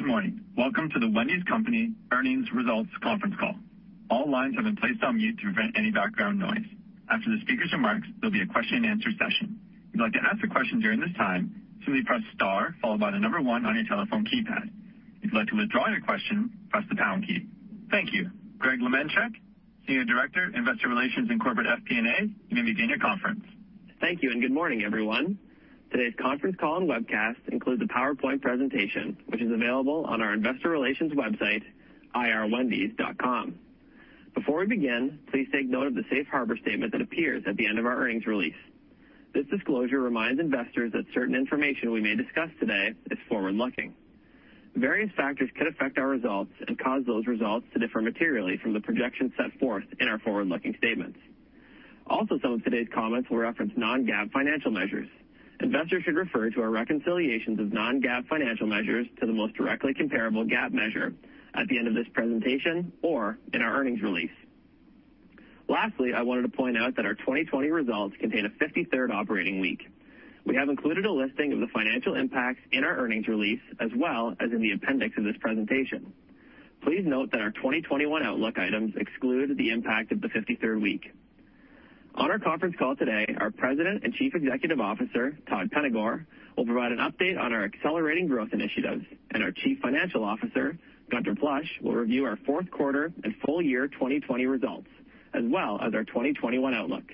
Good morning. Welcome to The Wendy's Company Earnings Results Conference Call. All lines have been placed on mute to prevent any background noise. After the speakers' remarks, there will be a question and answer session. In order to ask a question during this time, simply press star, followed by one on your telephone keypad. If you'll like to withdraw your question, press the pound key. Thank you. Greg Lemenchick, Senior Director, Investor Relations and Corporate FP&A, you may begin your conference. Thank you, good morning, everyone. Today's conference call and webcast includes a PowerPoint presentation, which is available on our investor relations website, ir.wendys.com. Before we begin, please take note of the safe harbor statement that appears at the end of our earnings release. This disclosure reminds investors that certain information we may discuss today is forward-looking. Various factors could affect our results and cause those results to differ materially from the projections set forth in our forward-looking statements. Some of today's comments will reference non-GAAP financial measures. Investors should refer to our reconciliations of non-GAAP financial measures to the most directly comparable GAAP measure at the end of this presentation, or in our earnings release. Lastly, I wanted to point out that our 2020 results contain a 53rd operating week. We have included a listing of the financial impacts in our earnings release as well as in the appendix of this presentation. Please note that our 2021 outlook items exclude the impact of the 53rd week. On our conference call today, our President and Chief Executive Officer, Todd Penegor, will provide an update on our accelerating growth initiatives, and our Chief Financial Officer, Gunther Plosch, will review our Q4 and full year 2020 results, as well as our 2021 outlook.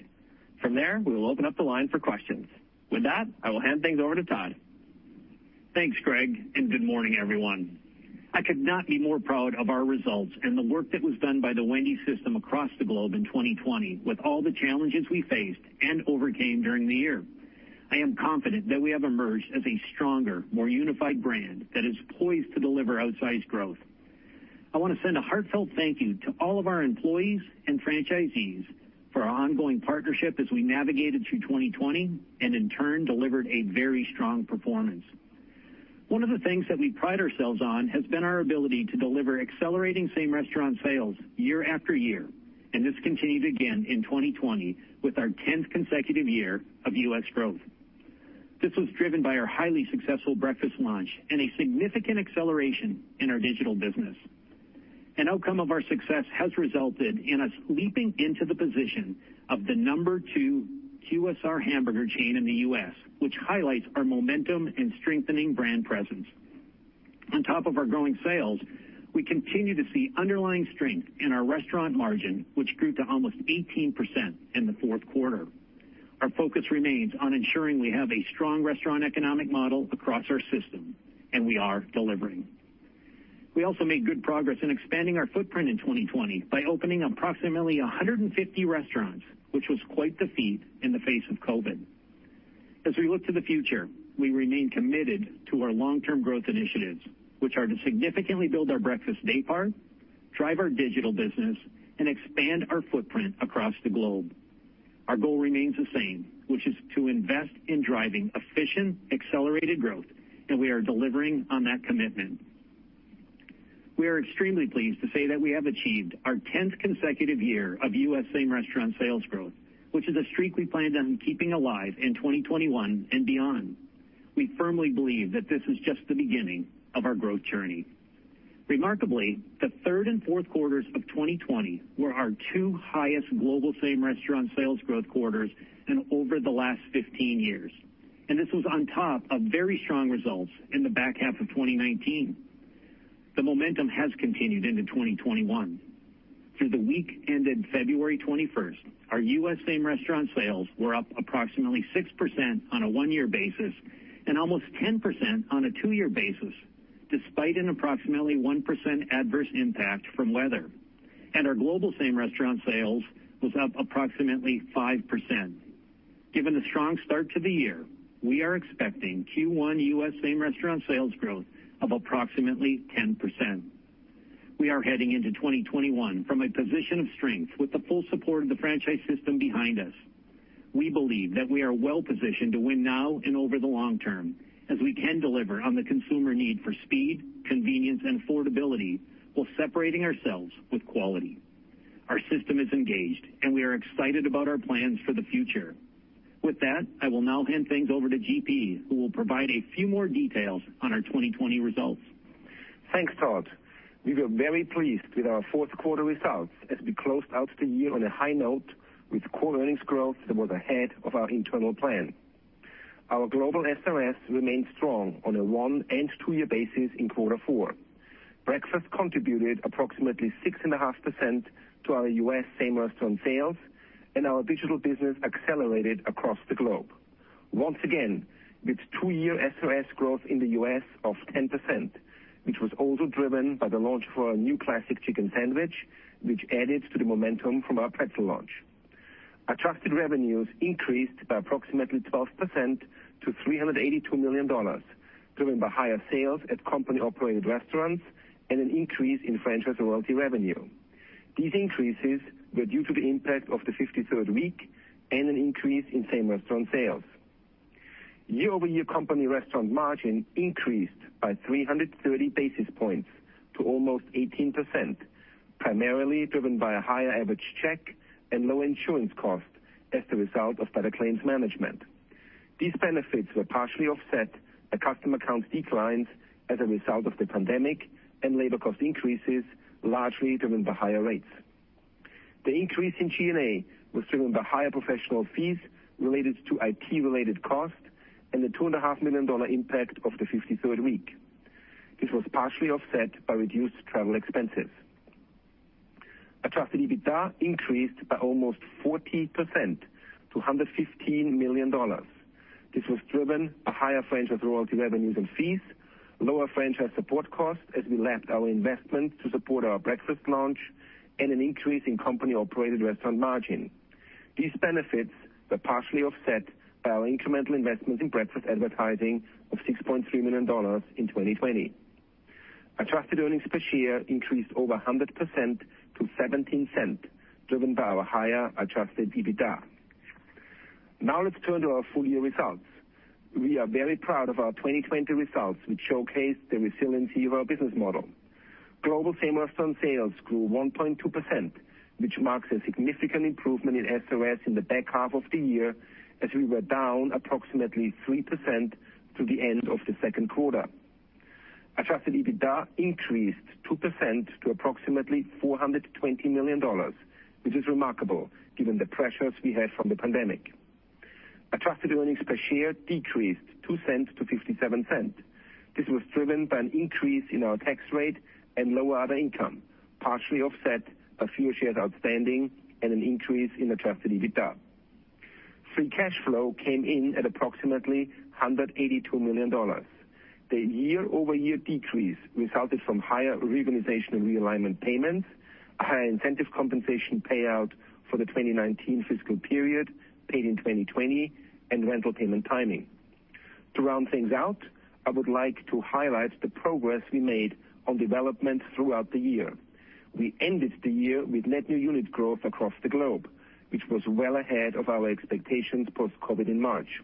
From there, we will open up the line for questions. With that, I will hand things over to Todd. Thanks, Greg, and good morning, everyone. I could not be more proud of our results and the work that was done by The Wendy's system across the globe in 2020 with all the challenges we faced and overcame during the year. I am confident that we have emerged as a stronger, more unified brand that is poised to deliver outsized growth. I want to send a heartfelt thank you to all of our employees and franchisees for our ongoing partnership as we navigated through 2020, and in turn delivered a very strong performance. One of the things that we pride ourselves on has been our ability to deliver accelerating Same-Restaurant Sales year after year, and this continued again in 2020 with our 10th consecutive year of U.S. growth. This was driven by our highly successful breakfast launch and a significant acceleration in our digital business. An outcome of our success has resulted in us leaping into the position of the number two QSR hamburger chain in the U.S., which highlights our momentum and strengthening brand presence. On top of our growing sales, we continue to see underlying strength in our restaurant margin, which grew to almost 18% in the Q4. Our focus remains on ensuring we have a strong restaurant economic model across our system, and we are delivering. We also made good progress in expanding our footprint in 2020 by opening approximately 150 restaurants, which was quite the feat in the face of COVID. As we look to the future, we remain committed to our long-term growth initiatives, which are to significantly build our breakfast day part, drive our digital business, and expand our footprint across the globe. Our goal remains the same, which is to invest in driving efficient, accelerated growth, and we are delivering on that commitment. We are extremely pleased to say that we have achieved our 10th consecutive year of U.S. Same-Restaurant Sales growth, which is a streak we plan on keeping alive in 2021 and beyond. We firmly believe that this is just the beginning of our growth journey. Remarkably, the Q3 and Q4s of 2020 were our two highest global Same-Restaurant Sales growth quarters in over the last 15 years, and this was on top of very strong results in the back half of 2019. The momentum has continued into 2021. Through the week ended February 21st, our U.S. Same-Restaurant Sales were up approximately 6% on a one-year basis and almost 10% on a two-year basis, despite an approximately 1% adverse impact from weather. Our global Same-Restaurant Sales was up approximately 5%. Given the strong start to the year, we are expecting Q1 U.S. Same-Restaurant Sales growth of approximately 10%. We are heading into 2021 from a position of strength with the full support of the franchise system behind us. We believe that we are well positioned to win now and over the long term, as we can deliver on the consumer need for speed, convenience, and affordability while separating ourselves with quality. Our system is engaged and we are excited about our plans for the future. With that, I will now hand things over to GP, who will provide a few more details on our 2020 results. Thanks, Todd. We were very pleased with our Q4 results as we closed out the year on a high note with core earnings growth that was ahead of our internal plan. Our global SRS remained strong on a one and two year basis in Q4. Breakfast contributed approximately 6.5% to our U.S. same restaurant sales, and our digital business accelerated across the globe. Once again, with two year SRS growth in the U.S. of 10%, which was also driven by the launch for our new classic chicken sandwich, which added to the momentum from our pretzel launch. Adjusted revenues increased by approximately 12% to $382 million, driven by higher sales at company-operated restaurants and an increase in franchise royalty revenue. These increases were due to the impact of the 53rd week and an increase in same restaurant sales. Year-over-year company restaurant margin increased by 330 basis points to almost 18%, primarily driven by a higher average check and low insurance cost as the result of better claims management. These benefits were partially offset by customer counts declines as a result of the pandemic and labor cost increases, largely driven by higher rates. The increase in G&A was driven by higher professional fees related to IT-related costs and the $2.5 million impact of the 53rd week. This was partially offset by reduced travel expenses. Adjusted EBITDA increased by almost 40% to $115 million. This was driven by higher franchise royalty revenues and fees, lower franchise support costs as we lapped our investment to support our breakfast launch, and an increase in company-operated restaurant margin. These benefits were partially offset by our incremental investments in breakfast advertising of $6.3 million in 2020. Adjusted earnings per share increased over 100% to $0.17, driven by our higher Adjusted EBITDA. Let's turn to our full-year results. We are very proud of our 2020 results, which showcase the resiliency of our business model. Global same-restaurant sales grew 1.2%, which marks a significant improvement in SRS in the back half of the year, as we were down approximately 3% through the end of the Q2. Adjusted EBITDA increased 2% to approximately $420 million, which is remarkable given the pressures we had from the pandemic. Adjusted earnings per share decreased $0.02 to $0.57. This was driven by an increase in our tax rate and lower other income, partially offset by fewer shares outstanding and an increase in Adjusted EBITDA. Free cash flow came in at approximately $182 million. The year-over-year decrease resulted from higher reorganization and realignment payments, a higher incentive compensation payout for the 2019 fiscal period paid in 2020, and rental payment timing. To round things out, I would like to highlight the progress we made on development throughout the year. We ended the year with net new unit growth across the globe, which was well ahead of our expectations post-COVID in March.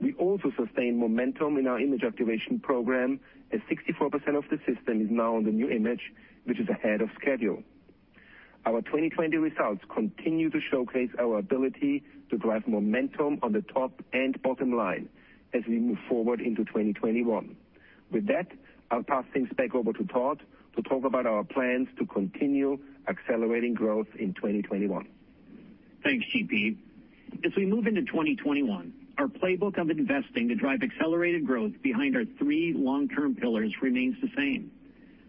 We also sustained momentum in our Image Activation program, as 64% of the system is now on the new image, which is ahead of schedule. Our 2020 results continue to showcase our ability to drive momentum on the top and bottom line as we move forward into 2021. With that, I'll pass things back over to Todd to talk about our plans to continue accelerating growth in 2021. Thanks, GP. As we move into 2021, our playbook of investing to drive accelerated growth behind our three long-term pillars remains the same.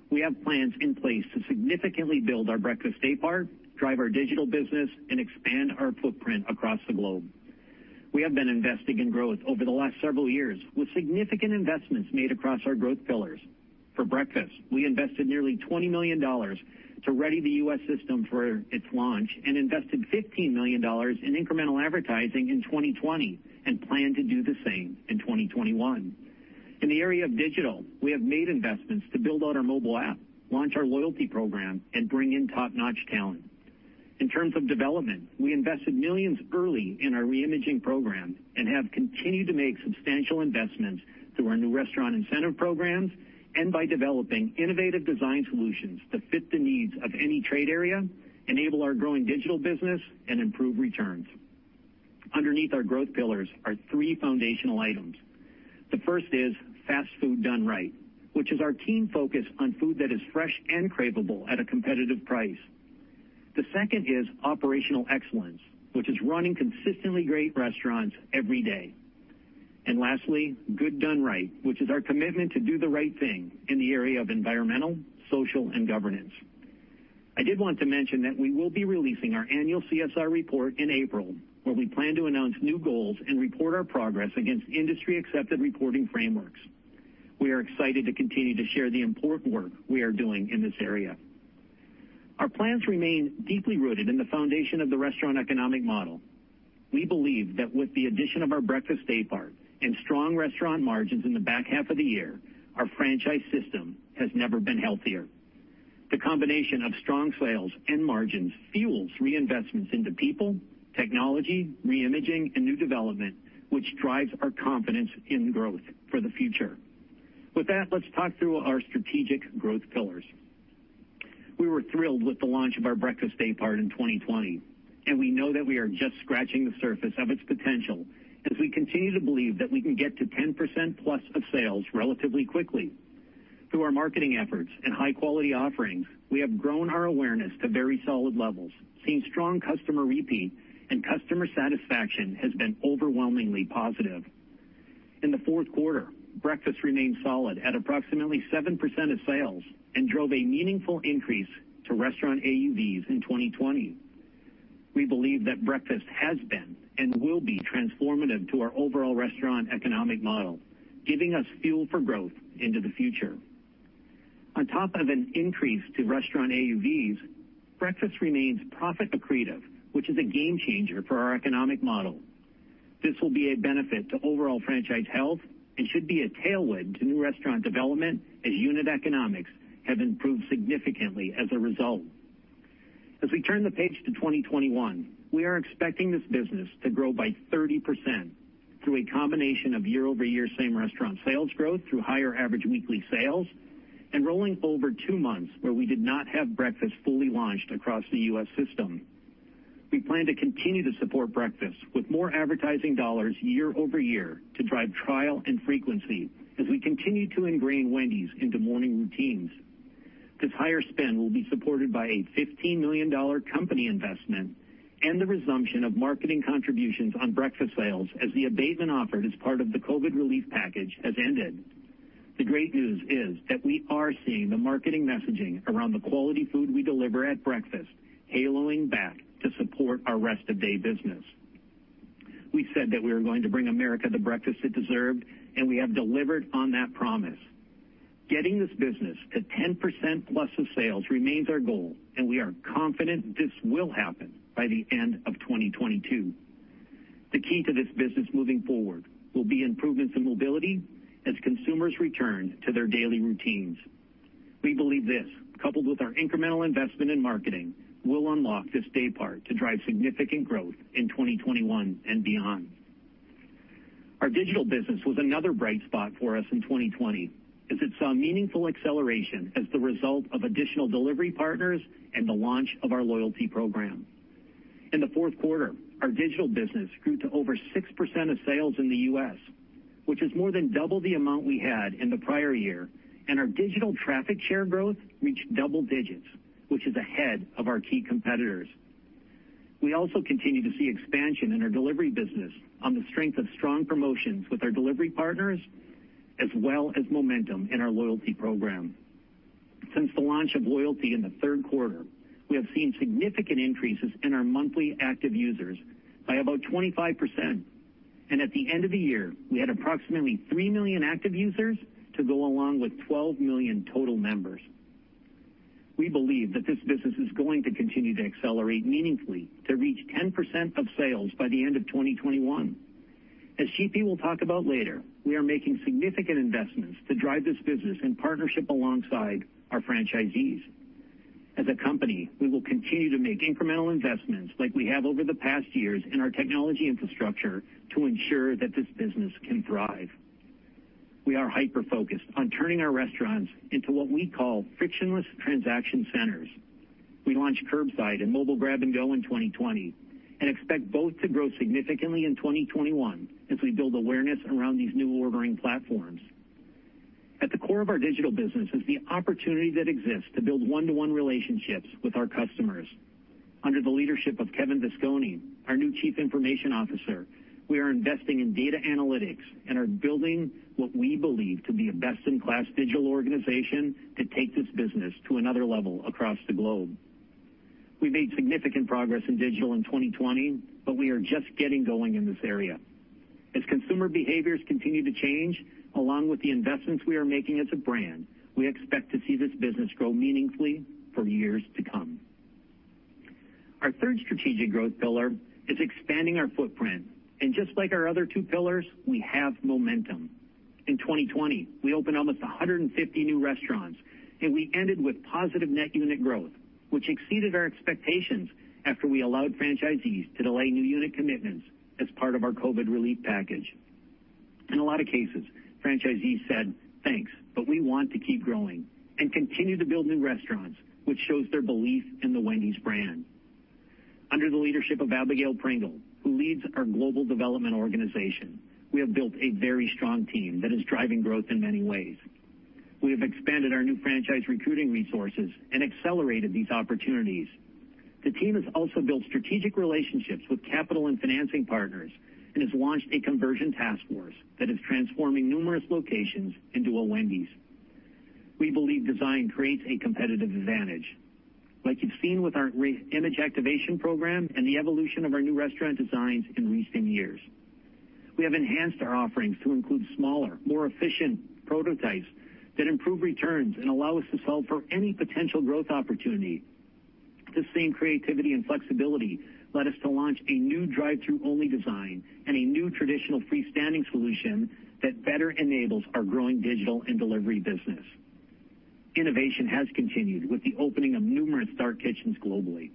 We have plans in place to significantly build our breakfast daypart, drive our digital business and expand our footprint across the globe. We have been investing in growth over the last several years with significant investments made across our growth pillars. For breakfast, we invested nearly $20 million to ready the U.S. system for its launch and invested $15 million in incremental advertising in 2020 and plan to do the same in 2021. In the area of digital, we have made investments to build out our mobile app, launch our loyalty program, and bring in top-notch talent. In terms of development, we invested millions early in our re-imaging program and have continued to make substantial investments through our new restaurant incentive programs and by developing innovative design solutions that fit the needs of any trade area, enable our growing digital business, and improve returns. Underneath our growth pillars are three foundational items. The first is fast food done right, which is our keen focus on food that is fresh and cravable at a competitive price. The second is operational excellence, which is running consistently great restaurants every day. Lastly, good done right, which is our commitment to do the right thing in the area of environmental, social and governance. I did want to mention that we will be releasing our annual CSR report in April, where we plan to announce new goals and report our progress against industry-accepted reporting frameworks. We are excited to continue to share the important work we are doing in this area. Our plans remain deeply rooted in the foundation of the restaurant economic model. We believe that with the addition of our breakfast daypart and strong restaurant margins in the back half of the year, our franchise system has never been healthier. The combination of strong sales and margins fuels reinvestments into people, technology, re-imaging and new development, which drives our confidence in growth for the future. With that, let's talk through our strategic growth pillars. We were thrilled with the launch of our breakfast daypart in 2020, and we know that we are just scratching the surface of its potential as we continue to believe that we can get to 10%+ of sales relatively quickly. Through our marketing efforts and high-quality offerings, we have grown our awareness to very solid levels, seen strong customer repeat, and customer satisfaction has been overwhelmingly positive. In the Q4, breakfast remained solid at approximately 7% of sales and drove a meaningful increase to restaurant AUVs in 2020. We believe that breakfast has been and will be transformative to our overall restaurant economic model, giving us fuel for growth into the future. On top of an increase to restaurant AUVs, breakfast remains profit accretive, which is a game changer for our economic model. This will be a benefit to overall franchise health and should be a tailwind to new restaurant development as unit economics have improved significantly as a result. As we turn the page to 2021, we are expecting this business to grow by 30% through a combination of year-over-year Same-Restaurant Sales growth through higher average weekly sales and rolling over two months where we did not have breakfast fully launched across the U.S. system. We plan to continue to support breakfast with more advertising dollars year-over-year to drive trial and frequency as we continue to ingrain Wendy's into morning routines. This higher spend will be supported by a $15 million company investment and the resumption of marketing contributions on breakfast sales as the abatement offered as part of the COVID relief package has ended. The great news is that we are seeing the marketing messaging around the quality food we deliver at breakfast haloing back to support our rest of day business. We said that we were going to bring America the breakfast it deserved, and we have delivered on that promise. Getting this business to 10%+ of sales remains our goal, and we are confident this will happen by the end of 2022. The key to this business moving forward will be improvements in mobility as consumers return to their daily routines. We believe this, coupled with our incremental investment in marketing, will unlock this day part to drive significant growth in 2021 and beyond. Our digital business was another bright spot for us in 2020, as it saw meaningful acceleration as the result of additional delivery partners and the launch of our loyalty program. In the Q4, our digital business grew to over 6% of sales in the U.S., which is more than double the amount we had in the prior year, and our digital traffic share growth reached double digits, which is ahead of our key competitors. We also continue to see expansion in our delivery business on the strength of strong promotions with our delivery partners, as well as momentum in our loyalty program. Since the launch of loyalty in the Q3, we have seen significant increases in our monthly active users by about 25%, and at the end of the year, we had approximately three million active users to go along with 12 million total members. We believe that this business is going to continue to accelerate meaningfully to reach 10% of sales by the end of 2021. As GP will talk about later, we are making significant investments to drive this business in partnership alongside our franchisees. As a company, we will continue to make incremental investments like we have over the past years in our technology infrastructure to ensure that this business can thrive. We are hyper-focused on turning our restaurants into what we call frictionless transaction centers. We launched curbside and mobile grab and go in 2020 and expect both to grow significantly in 2021 as we build awareness around these new ordering platforms. At the core of our digital business is the opportunity that exists to build one-to-one relationships with our customers. Under the leadership of Kevin Vasconi, our new Chief Information Officer, we are investing in data analytics and are building what we believe to be a best-in-class digital organization to take this business to another level across the globe. We made significant progress in digital in 2020, but we are just getting going in this area. As consumer behaviors continue to change, along with the investments we are making as a brand, we expect to see this business grow meaningfully for years to come. Our third strategic growth pillar is expanding our footprint, and just like our other two pillars, we have momentum. In 2020, we opened almost 150 new restaurants, and we ended with positive net unit growth, which exceeded our expectations after we allowed franchisees to delay new unit commitments as part of our COVID relief package. In a lot of cases, franchisees said, thanks, but we want to keep growing, and continued to build new restaurants, which shows their belief in The Wendy's brand. Under the leadership of Abigail Pringle, who leads our global development organization, we have built a very strong team that is driving growth in many ways. We have expanded our new franchise recruiting resources and accelerated these opportunities. The team has also built strategic relationships with capital and financing partners and has launched a conversion task force that is transforming numerous locations into a Wendy's. We believe design creates a competitive advantage. Like you've seen with our Image Activation program and the evolution of our new restaurant designs in recent years. We have enhanced our offerings to include smaller, more efficient prototypes that improve returns and allow us to solve for any potential growth opportunity. This same creativity and flexibility led us to launch a new drive-thru only design and a new traditional freestanding solution that better enables our growing digital and delivery business. Innovation has continued with the opening of numerous dark kitchens globally.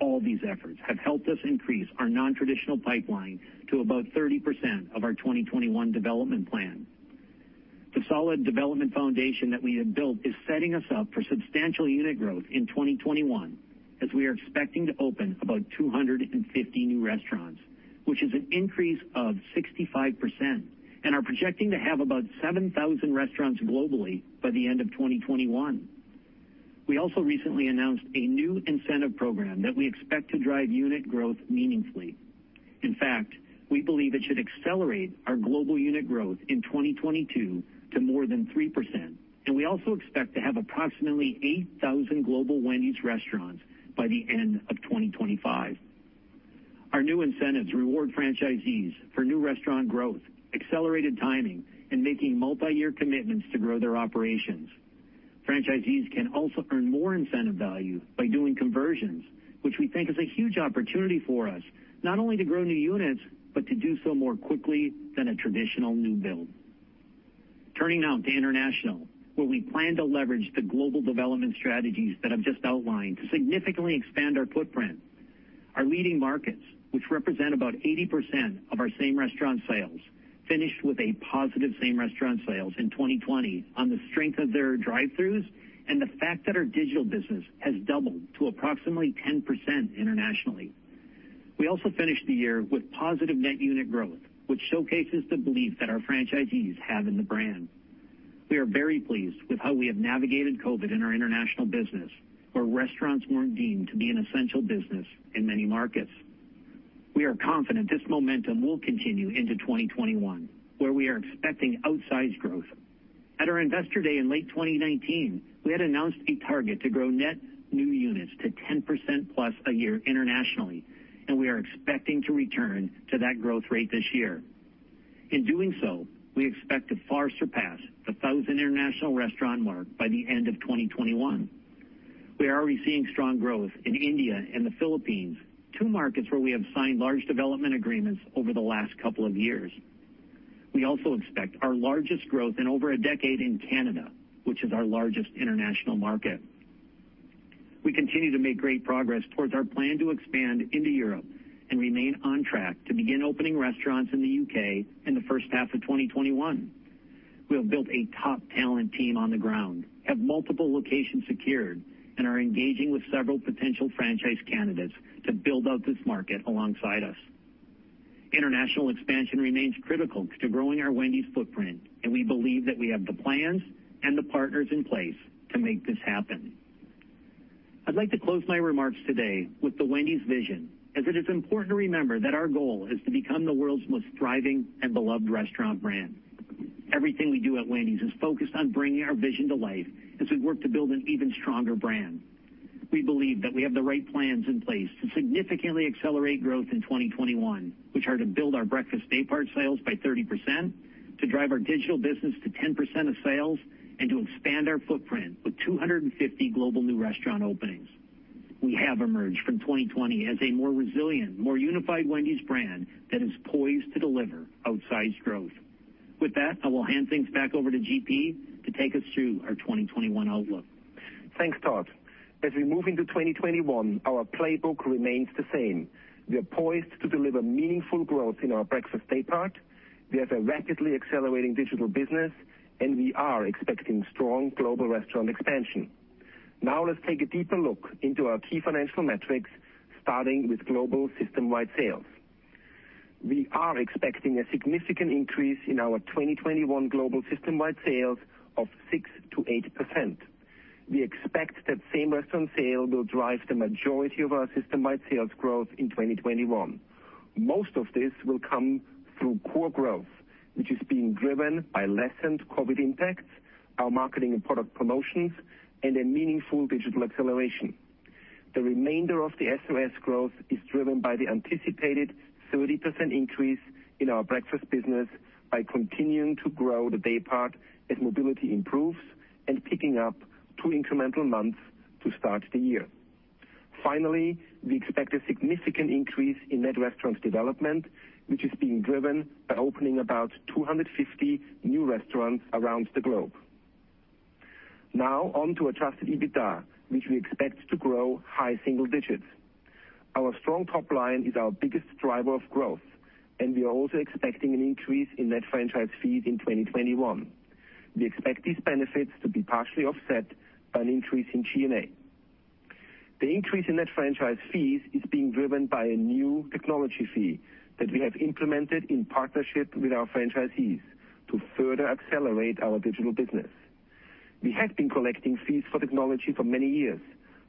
All these efforts have helped us increase our non-traditional pipeline to about 30% of our 2021 development plan. The solid development foundation that we have built is setting us up for substantial unit growth in 2021, as we are expecting to open about 250 new restaurants, which is an increase of 65%, and are projecting to have about 7,000 restaurants globally by the end of 2021. We also recently announced a new incentive program that we expect to drive unit growth meaningfully. In fact, we believe it should accelerate our global unit growth in 2022 to more than 3%, and we also expect to have approximately 8,000 global Wendy's restaurants by the end of 2025. Our new incentives reward franchisees for new restaurant growth, accelerated timing, and making multi-year commitments to grow their operations. Franchisees can also earn more incentive value by doing conversions, which we think is a huge opportunity for us, not only to grow new units, but to do so more quickly than a traditional new build. Turning now to international, where we plan to leverage the global development strategies that I've just outlined to significantly expand our footprint. Our leading markets, which represent about 80% of their Same-Restaurant Sales, finished with a positive Same-Restaurant Sales in 2020 on the strength of their drive-throughs and the fact that our digital business has doubled to approximately 10% internationally. We also finished the year with positive net unit growth, which showcases the belief that our franchisees have in the brand. We are very pleased with how we have navigated COVID in our international business, where restaurants weren't deemed to be an essential business in many markets. We are confident this momentum will continue into 2021, where we are expecting outsized growth. At our Investor Day in late 2019, we had announced a target to grow net new units to 10%+ a year internationally. We are expecting to return to that growth rate this year. In doing so, we expect to far surpass the 1,000 international restaurant mark by the end of 2021. We are already seeing strong growth in India and the Philippines, two markets where we have signed large development agreements over the last couple of years. We also expect our largest growth in over a decade in Canada, which is our largest international market. We continue to make great progress towards our plan to expand into Europe and remain on track to begin opening restaurants in the U.K. in the first half of 2021. We have built a top talent team on the ground, have multiple locations secured, and are engaging with several potential franchise candidates to build out this market alongside us. International expansion remains critical to growing our Wendy's footprint, and we believe that we have the plans and the partners in place to make this happen. I'd like to close my remarks today with The Wendy's vision, as it is important to remember that our goal is to become the world's most thriving and beloved restaurant brand. Everything we do at Wendy's is focused on bringing our vision to life as we work to build an even stronger brand. We believe that we have the right plans in place to significantly accelerate growth in 2021, which are to build our breakfast daypart sales by 30%, to drive our digital business to 10% of sales, and to expand our footprint with 250 global new restaurant openings. We have emerged from 2020 as a more resilient, more unified Wendy's brand that is poised to deliver outsized growth. With that, I will hand things back over to GP to take us through our 2021 outlook. Thanks, Todd. As we move into 2021, our playbook remains the same. We are poised to deliver meaningful growth in our breakfast day part. We have a rapidly accelerating digital business, and we are expecting strong global restaurant expansion. Now let's take a deeper look into our key financial metrics, starting with global systemwide sales. We are expecting a significant increase in our 2021 global systemwide sales of 6%-8%. We expect that Same-Restaurant Sales will drive the majority of our systemwide sales growth in 2021. Most of this will come through core growth, which is being driven by lessened COVID impacts, our marketing and product promotions, and a meaningful digital acceleration. The remainder of the SRS growth is driven by the anticipated 30% increase in our breakfast business by continuing to grow the day part as mobility improves and picking up two incremental months to start the year. Finally, we expect a significant increase in net restaurant development, which is being driven by opening about 250 new restaurants around the globe. Now on to Adjusted EBITDA, which we expect to grow high single digits. Our strong top line is our biggest driver of growth, and we are also expecting an increase in net franchise fees in 2021. We expect these benefits to be partially offset by an increase in G&A. The increase in net franchise fees is being driven by a new technology fee that we have implemented in partnership with our franchisees to further accelerate our digital business. We have been collecting fees for technology for many years,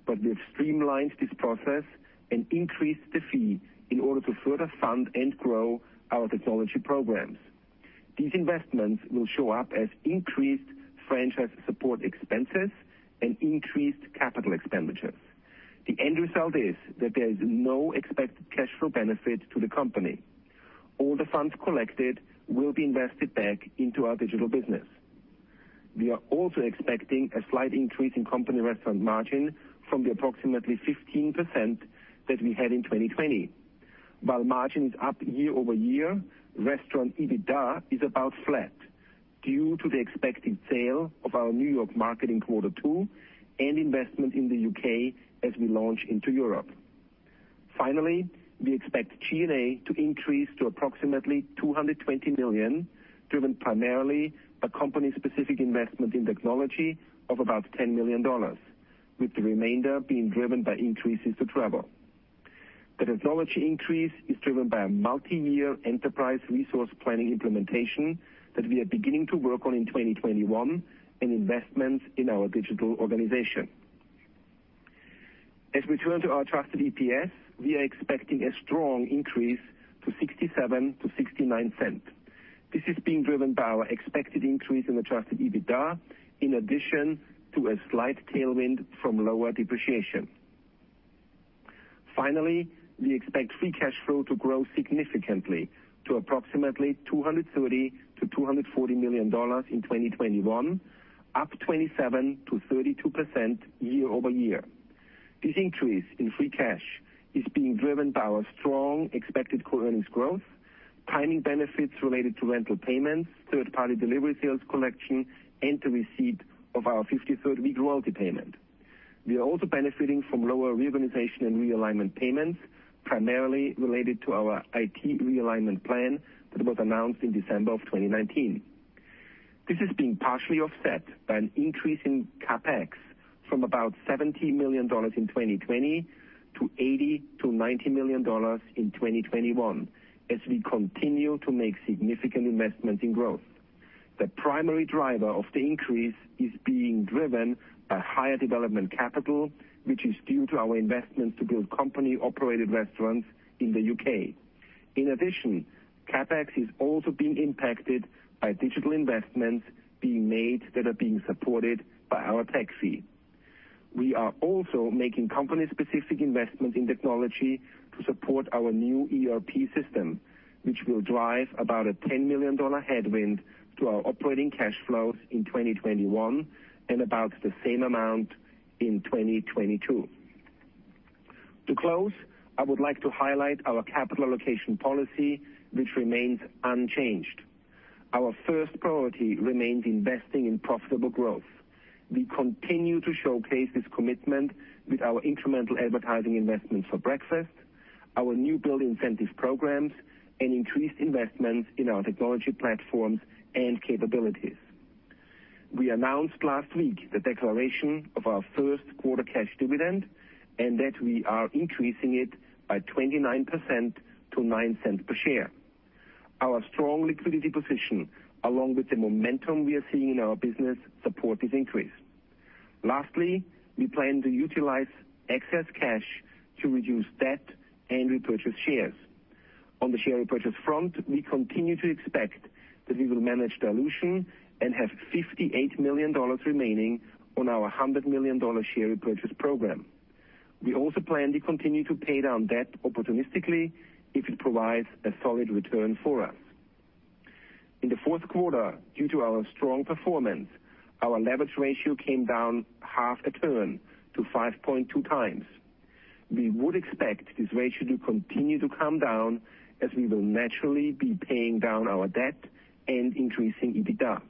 but we've streamlined this process and increased the fee in order to further fund and grow our technology programs. These investments will show up as increased franchise support expenses and increased capital expenditures. The end result is that there is no expected cash flow benefit to the company. All the funds collected will be invested back into our digital business. We are also expecting a slight increase in company restaurant margin from the approximately 15% that we had in 2020. While margin is up year-over-year, restaurant EBITDA is about flat due to the expected sale of our New York market in Q2 and investment in the U.K. as we launch into Europe. Finally, we expect G&A to increase to approximately $220 million, driven primarily by company-specific investment in technology of about $10 million, with the remainder being driven by increases to travel. The technology increase is driven by a multi-year Enterprise Resource Planning implementation that we are beginning to work on in 2021 and investments in our digital organization. As we turn to our adjusted EPS, we are expecting a strong increase to $0.67-$0.69. This is being driven by our expected increase in Adjusted EBITDA, in addition to a slight tailwind from lower depreciation. Finally, we expect free cash flow to grow significantly to approximately $230 million-$240 million in 2021, up 27%-32% year-over-year. This increase in free cash is being driven by our strong expected core earnings growth. Timing benefits related to rental payments, third-party delivery sales collection, and the receipt of our 53rd week royalty payment. We are also benefiting from lower reorganization and realignment payments, primarily related to our IT realignment plan that was announced in December of 2019. This is being partially offset by an increase in CapEx from about $70 million in 2020 to $80 million-$90 million in 2021, as we continue to make significant investment in growth. The primary driver of the increase is being driven by higher development capital, which is due to our investment to build company-operated restaurants in the U.K. In addition, CapEx is also being impacted by digital investments being made that are being supported by our tech fee. We are also making company-specific investments in technology to support our new ERP system, which will drive about a $10 million headwind to our operating cash flows in 2021 and about the same amount in 2022. To close, I would like to highlight our capital allocation policy, which remains unchanged. Our first priority remains investing in profitable growth. We continue to showcase this commitment with our incremental advertising investment for breakfast, our new build incentive programs, and increased investment in our technology platforms and capabilities. We announced last week the declaration of our Q1 cash dividend and that we are increasing it by 29% to $0.09 per share. Our strong liquidity position, along with the momentum we are seeing in our business, support this increase. Lastly, we plan to utilize excess cash to reduce debt and repurchase shares. On the share repurchase front, we continue to expect that we will manage dilution and have $58 million remaining on our $100 million share repurchase program. We also plan to continue to pay down debt opportunistically if it provides a solid return for us. In the Q4, due to our strong performance, our leverage ratio came down half a turn to 5.2x. We would expect this ratio to continue to come down as we will naturally be paying down our debt and increasing EBITDA.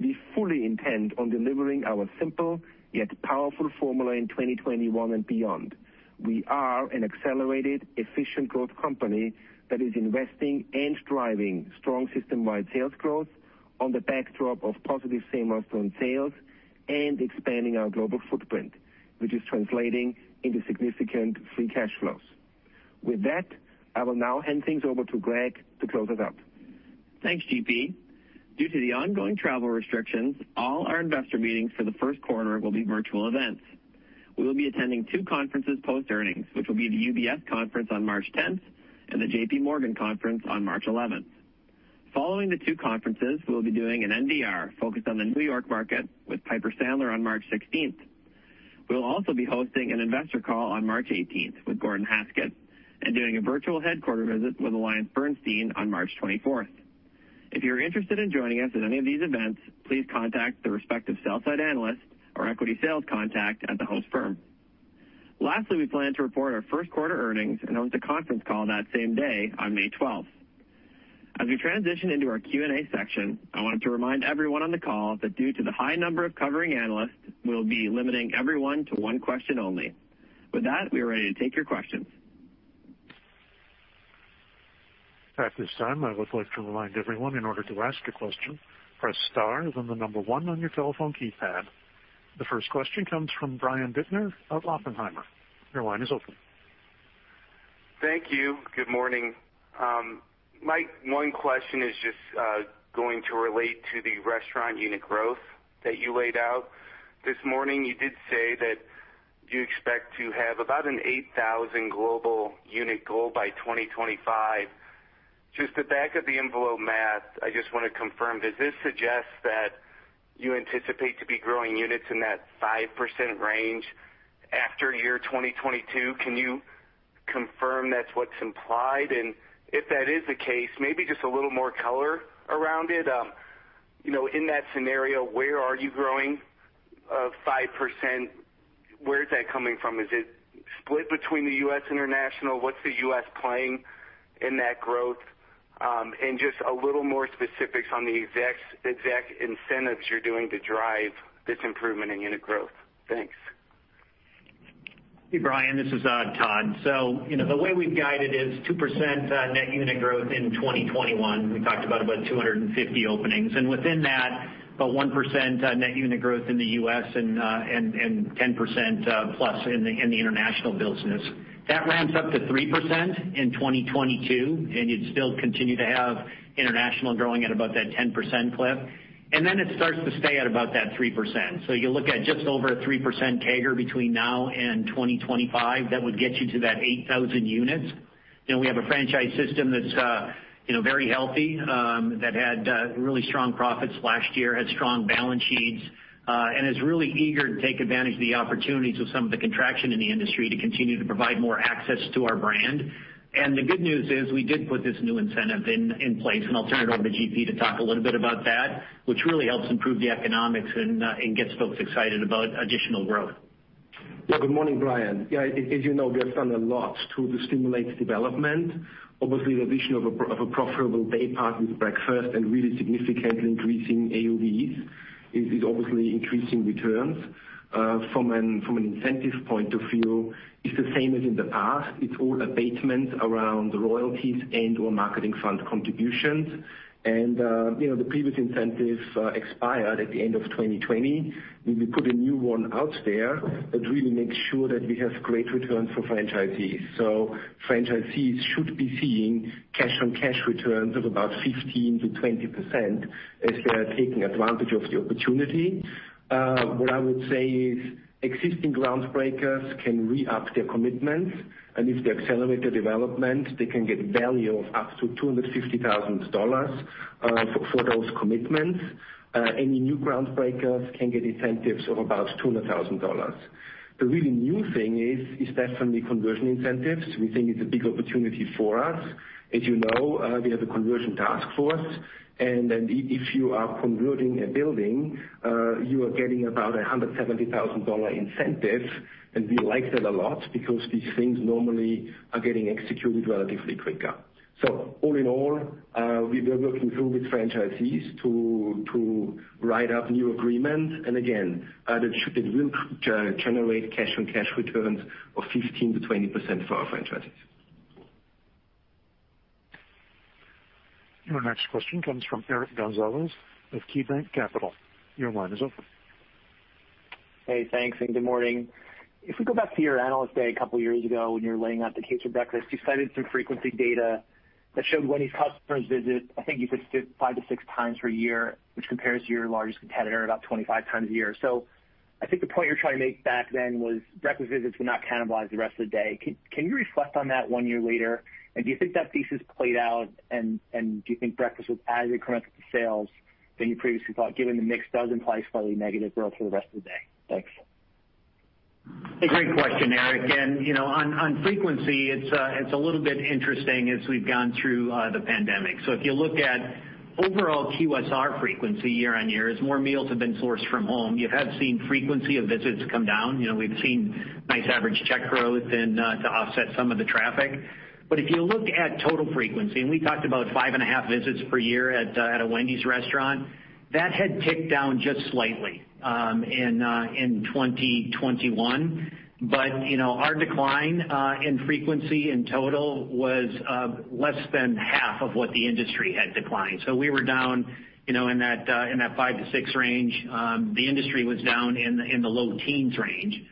We fully intend on delivering our simple yet powerful formula in 2021 and beyond. We are an accelerated efficient growth company that is investing and driving strong system-wide sales growth on the backdrop of positive Same-Restaurant Sales and expanding our global footprint, which is translating into significant free cash flows. With that, I will now hand things over to Greg to close us out. Thanks, GP. Due to the ongoing travel restrictions, all our investor meetings for the Q1 will be virtual events. We will be attending two conferences post earnings, which will be the UBS conference on March 10th and the JPMorgan conference on March 11th. Following the two conferences, we'll be doing an NDR focused on the New York market with Piper Sandler on March 16th. We'll also be hosting an investor call on March 18th with Gordon Haskett and doing a virtual headquarter visit with AllianceBernstein on March 24th. If you're interested in joining us at any of these events, please contact the respective sell side analyst or equity sales contact at the host firm. Lastly, we plan to report our Q1 earnings and host a conference call that same day on May 12th. As we transition into our Q&A section, I wanted to remind everyone on the call that due to the high number of covering analysts, we'll be limiting everyone to one question only. With that, we are ready to take your questions. At this time I would like to remind everyone in order to ask a question, press star then the number one on your telephone keypard. The first question comes from Brian Bittner of Oppenheimer. Your line is open. Thank you. Good morning. My one question is just going to relate to the restaurant unit growth that you laid out this morning. You did say that you expect to have about an 8,000 global unit goal by 2025. Just the back of the envelope math, I just want to confirm, does this suggest that you anticipate to be growing units in that 5% range after year 2022? Can you confirm that's what's implied? If that is the case, maybe just a little more color around it. In that scenario, where are you growing 5%? Where is that coming from? Is it split between the U.S. and international? What's the U.S. playing in that growth? Just a little more specifics on the exact incentives you're doing to drive this improvement in unit growth. Thanks. Hey, Brian. This is Todd. The way we've guided is 2% net unit growth in 2021. We talked about 250 openings, and within that, about 1% net unit growth in the U.S. and 10%+ in the international business. That ramps up to 3% in 2022. You'd still continue to have international growing at about that 10% clip. Then it starts to stay at about that 3%. You look at just over a 3% CAGR between now and 2025, that would get you to that 8,000 units. We have a franchise system that's very healthy, that had really strong profits last year, had strong balance sheets, and is really eager to take advantage of the opportunities of some of the contraction in the industry to continue to provide more access to our brand. The good news is we did put this new incentive in place, and I'll turn it over to GP to talk a little bit about that, which really helps improve the economics and gets folks excited about additional growth. Good morning, Brian. Yeah, as you know, we have done a lot to stimulate development. Obviously, the addition of a profitable day part with breakfast and really significantly increasing AUVs is obviously increasing returns. From an incentive point of view, it's the same as in the past. It's all abatements around royalties and/or marketing fund contributions. The previous incentive expired at the end of 2020. We put a new one out there that really makes sure that we have great returns for franchisees. Franchisees should be seeing cash on cash returns of about 15%-20% as they are taking advantage of the opportunity. What I would say is existing ground breakers can re-up their commitments, and if they accelerate their development, they can get value of up to $250,000 for those commitments. Any new ground breakers can get incentives of about $200,000. The really new thing is definitely conversion incentives. We think it's a big opportunity for us. As you know, we have a conversion task force, and then if you are converting a building, you are getting about $170,000 incentive. We like that a lot because these things normally are getting executed relatively quicker. All in all, we've been working through with franchisees to write up new agreements. Again, that should and will generate cash on cash returns of 15%-20% for our franchisees. Your next question comes from Eric Gonzalez of KeyBanc Capital. Your line is open. Hey, thanks, and good morning. If we go back to your Analyst Day a couple of years ago, when you were laying out the case for breakfast, you cited some frequency data that showed Wendy's customers visit, I think you said five to six times per year, which compares to your largest competitor about 25 times a year. I think the point you were trying to make back then was breakfast visits would not cannibalize the rest of the day. Can you reflect on that one year later, and do you think that thesis played out, and do you think breakfast was as incremental to sales than you previously thought, given the mix does imply slightly negative growth for the rest of the day? Thanks. Great question, Eric. On frequency, it's a little bit interesting as we've gone through the pandemic. If you look at overall QSR frequency year-on-year, as more meals have been sourced from home, you have seen frequency of visits come down. We've seen nice average check growth and to offset some of the traffic. If you looked at total frequency, and we talked about five and a half visits per year at a Wendy's restaurant, that had ticked down just slightly, in 2021. Our decline in frequency in total was less than half of what the industry had declined. We were down in that 5-6 range. The industry was down in the low teens range.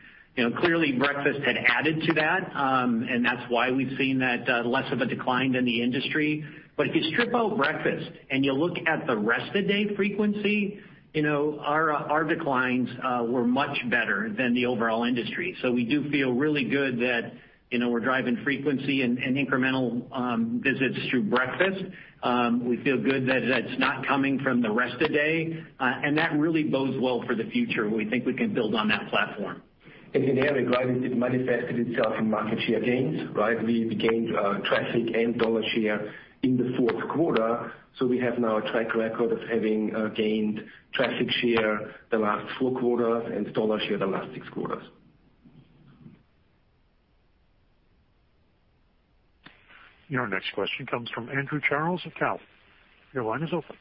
Clearly, breakfast had added to that, and that's why we've seen that less of a decline than the industry. If you strip out breakfast and you look at the rest of day frequency, our declines were much better than the overall industry. We do feel really good that we're driving frequency and incremental visits through breakfast. We feel good that it's not coming from the rest of day. That really bodes well for the future. We think we can build on that platform. Eric, it manifested itself in market share gains, right? We gained traffic and dollar share in the Q4. We have now a track record of having gained traffic share the last four quarters and dollar share the last six quarters. Your next question comes from Andrew Charles of Cowen. Your line is open.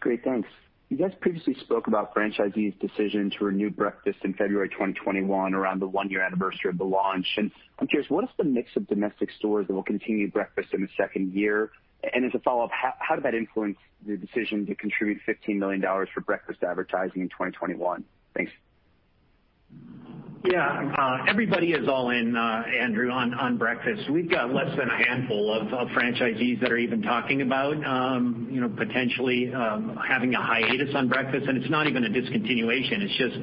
Great. Thanks. You guys previously spoke about franchisees' decision to renew breakfast in February 2021, around the one-year anniversary of the launch. I'm curious, what is the mix of domestic stores that will continue breakfast in the second year? As a follow-up, how did that influence the decision to contribute $15 million for breakfast advertising in 2021? Thanks. Yeah. Everybody is all in, Andrew, on breakfast. We've got less than a handful of franchisees that are even talking about potentially having a hiatus on breakfast, and it's not even a discontinuation. It's just,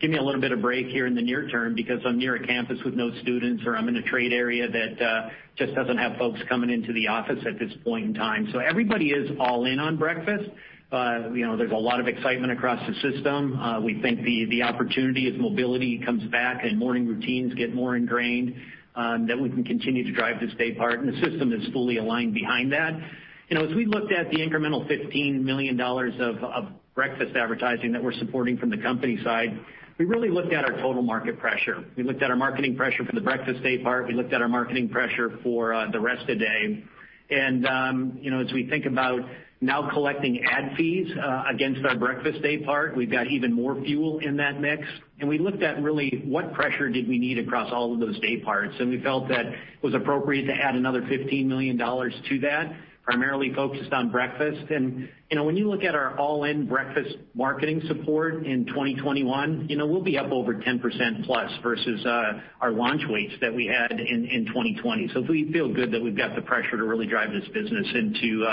give me a little bit of break here in the near term because I'm near a campus with no students, or, I'm in a trade area that just doesn't have folks coming into the office at this point in time. Everybody is all in on breakfast. There's a lot of excitement across the system. We think the opportunity as mobility comes back and morning routines get more ingrained, that we can continue to drive this day part, and the system is fully aligned behind that. As we looked at the incremental $15 million of breakfast advertising that we're supporting from the company side, we really looked at our total market pressure. We looked at our marketing pressure for the breakfast day part. We looked at our marketing pressure for the rest of day. As we think about now collecting ad fees against our breakfast day part, we've got even more fuel in that mix. We looked at really what pressure did we need across all of those day parts, and we felt that it was appropriate to add another $15 million to that, primarily focused on breakfast. When you look at our all-in breakfast marketing support in 2021, we'll be up over 10%+ versus our launch weights that we had in 2020. We feel good that we've got the pressure to really drive this business into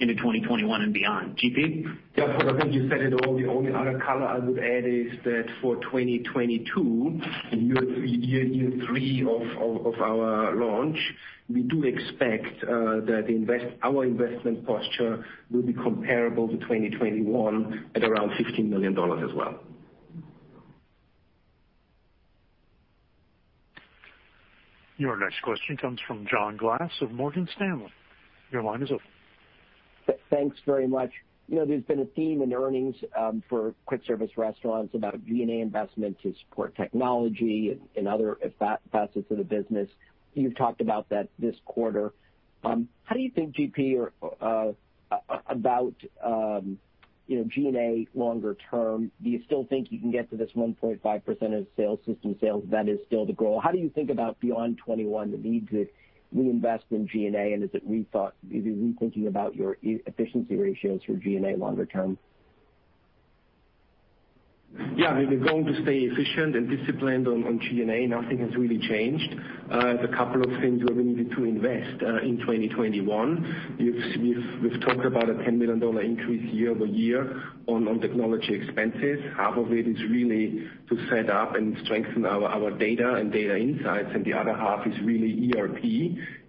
2021 and beyond. GP? I think you said it all. The only other color I would add is that for 2022, in year three of our launch, we do expect that our investment posture will be comparable to 2021 at around $15 million as well. Your next question comes from John Glass of Morgan Stanley. Your line is open. Thanks very much. There's been a theme in earnings for quick service restaurants about G&A investment to support technology and other facets of the business. You've talked about that this quarter. How do you think, GP, about G&A longer term? Do you still think you can get to this 1.5% of system sales, that is still the goal? How do you think about beyond 2021, the need to reinvest in G&A, and is it re-thinking about your efficiency ratios for G&A longer term? Yeah. We're going to stay efficient and disciplined on G&A. Nothing has really changed. There's a couple of things where we needed to invest in 2021. We've talked about a $10 million increase year-over-year on technology expenses. Half of it is really to set up and strengthen our data and data insights, and the other half is really ERP.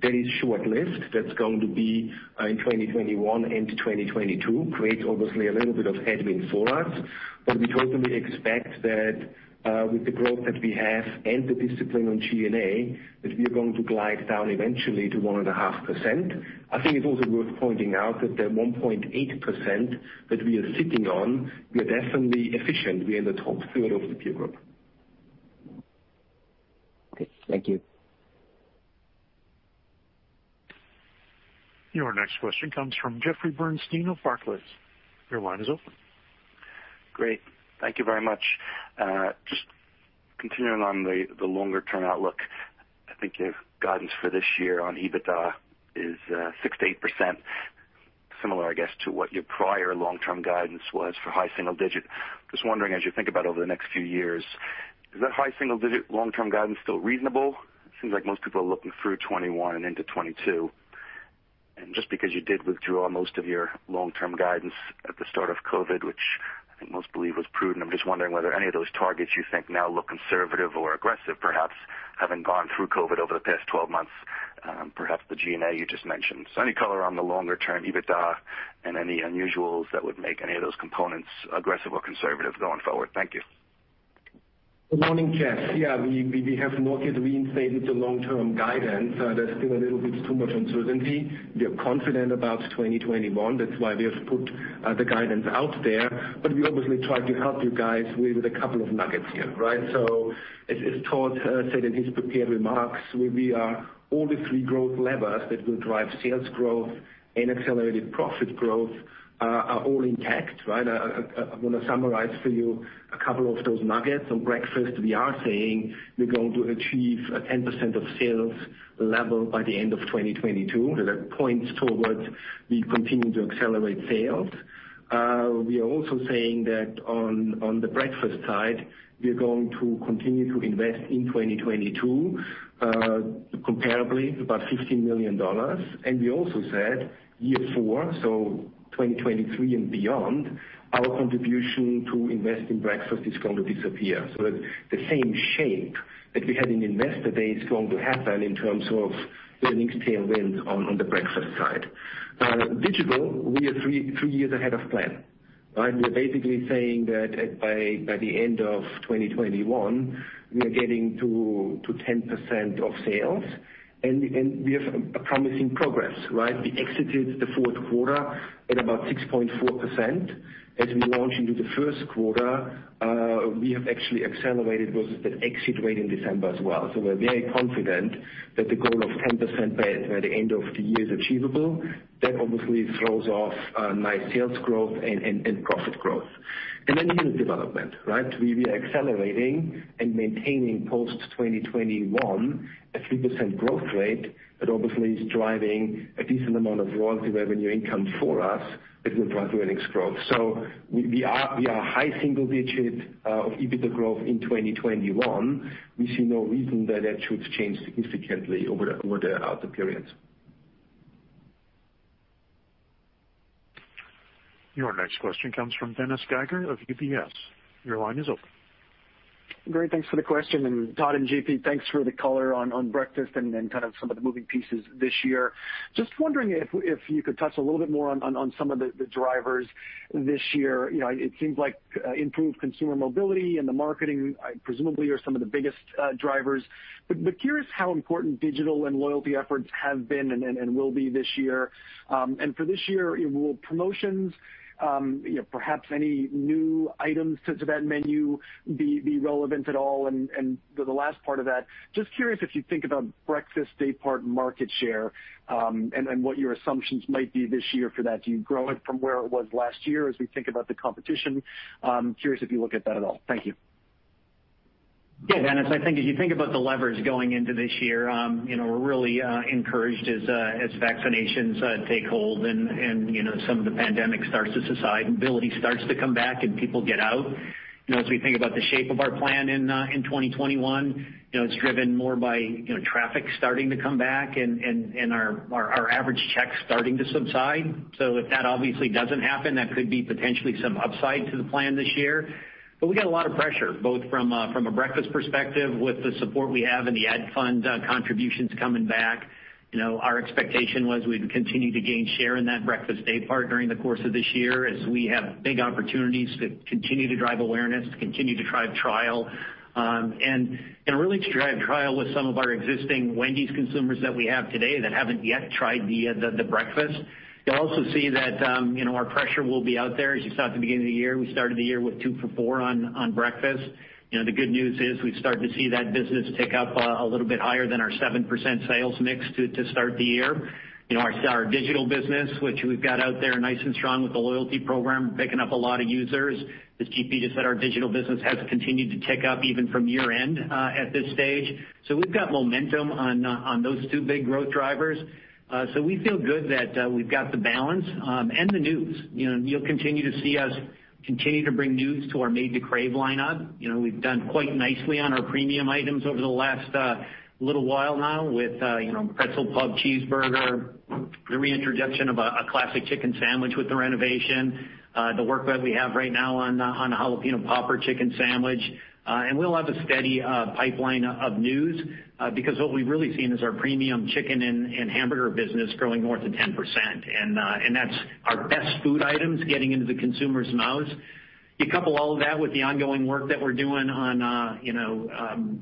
That is short-lived. That's going to be in 2021 into 2022. Creates obviously a little bit of headwind for us. We totally expect that with the growth that we have and the discipline on G&A, that we are going to glide down eventually to 1.5%. I think it's also worth pointing out that the 1.8% that we are sitting on, we are definitely efficient. We are in the top third of the peer group. Okay, thank you. Your next question comes from Jeffrey Bernstein of Barclays. Your line is open. Great. Thank you very much. Continuing on the longer-term outlook, I think your guidance for this year on EBITDA is 6%-8%, similar, I guess, to what your prior long-term guidance was for high single digit. Wondering, as you think about over the next few years, is that high single digit long-term guidance still reasonable? Seems like most people are looking through 2021 and into 2022. Because you did withdraw most of your long-term guidance at the start of COVID, which I think most believe was prudent, I'm just wondering whether any of those targets you think now look conservative or aggressive, perhaps having gone through COVID over the past 12 months. Perhaps the G&A you just mentioned. Any color on the longer-term EBITDA and any unusuals that would make any of those components aggressive or conservative going forward? Thank you. Good morning, Jeff. We have not yet reinstated the long-term guidance. There's still a little bit too much uncertainty. We are confident about 2021. That's why we have put the guidance out there. We obviously try to help you guys with a couple of nuggets here, right? As Todd said in his prepared remarks, all the three growth levers that will drive sales growth and accelerated profit growth are all intact, right? I want to summarize for you a couple of those nuggets. On breakfast, we are saying we're going to achieve a 10% of sales level by the end of 2022. That points towards we continue to accelerate sales. We are also saying that on the breakfast side, we are going to continue to invest in 2022, comparably about $15 million. We also said year four, so 2023 and beyond, our contribution to invest in breakfast is going to disappear. The same shape that we had in Investor Day is going to happen in terms of earnings tailwind on the breakfast side. Digital, we are three years ahead of plan. We are basically saying that by the end of 2021, we are getting to 10% of sales, and we have a promising progress, right? We exited the Q4 at about 6.4%. As we launch into the Q1, we have actually accelerated versus that exit rate in December as well. We're very confident that the goal of 10% by the end of the year is achievable. That obviously throws off a nice sales growth and profit growth. Unit development, right? We are accelerating and maintaining post-2021 a 3% growth rate that obviously is driving a decent amount of royalty revenue income for us that will drive earnings growth. We are high single digits of EBITDA growth in 2021. We see no reason that that should change significantly over the outer periods. Your next question comes from Dennis Geiger of UBS. Your line is open. Great, thanks for the question. And Todd and GP, thanks for the color on breakfast and then some of the moving pieces this year. Just wondering if you could touch a little bit more on some of the drivers this year. It seems like improved consumer mobility and the marketing, presumably, are some of the biggest drivers. Curious how important digital and loyalty efforts have been and will be this year. For this year, will promotions, perhaps any new items to that menu be relevant at all? The last part of that, just curious if you think about breakfast daypart market share, and what your assumptions might be this year for that. Do you grow it from where it was last year as we think about the competition? Curious if you look at that at all. Thank you. Yeah, Dennis, I think as you think about the levers going into this year, we're really encouraged as vaccinations take hold and some of the pandemic starts to subside, and mobility starts to come back and people get out. As we think about the shape of our plan in 2021, it's driven more by traffic starting to come back and our average check starting to subside. If that obviously doesn't happen, that could be potentially some upside to the plan this year. We got a lot of pressure, both from a breakfast perspective with the support we have and the ad fund contributions coming back. Our expectation was we'd continue to gain share in that breakfast day part during the course of this year as we have big opportunities to continue to drive awareness, to continue to drive trial. Really to drive trial with some of our existing Wendy's consumers that we have today that haven't yet tried the breakfast. You'll also see that our pressure will be out there, as you saw at the beginning of the year. We started the year with 2 for $4 on breakfast. The good news is we've started to see that business tick up a little bit higher than our 7% sales mix to start the year. Our digital business, which we've got out there nice and strong with the loyalty program, picking up a lot of users. As GP just said, our digital business has continued to tick up even from year-end at this stage. We've got momentum on those two big growth drivers. We feel good that we've got the balance, and the news. You'll continue to see us continue to bring news to our Made to Crave lineup. We've done quite nicely on our premium items over the last little while now with Pretzel Pub Cheeseburger, the reintroduction of a classic chicken sandwich with the renovation, the work that we have right now on a Jalapeño Popper Chicken Sandwich. We'll have a steady pipeline of news, because what we've really seen is our premium chicken and hamburger business growing more than 10%, and that's our best food items getting into the consumer's mouths. You couple all of that with the ongoing work that we're doing on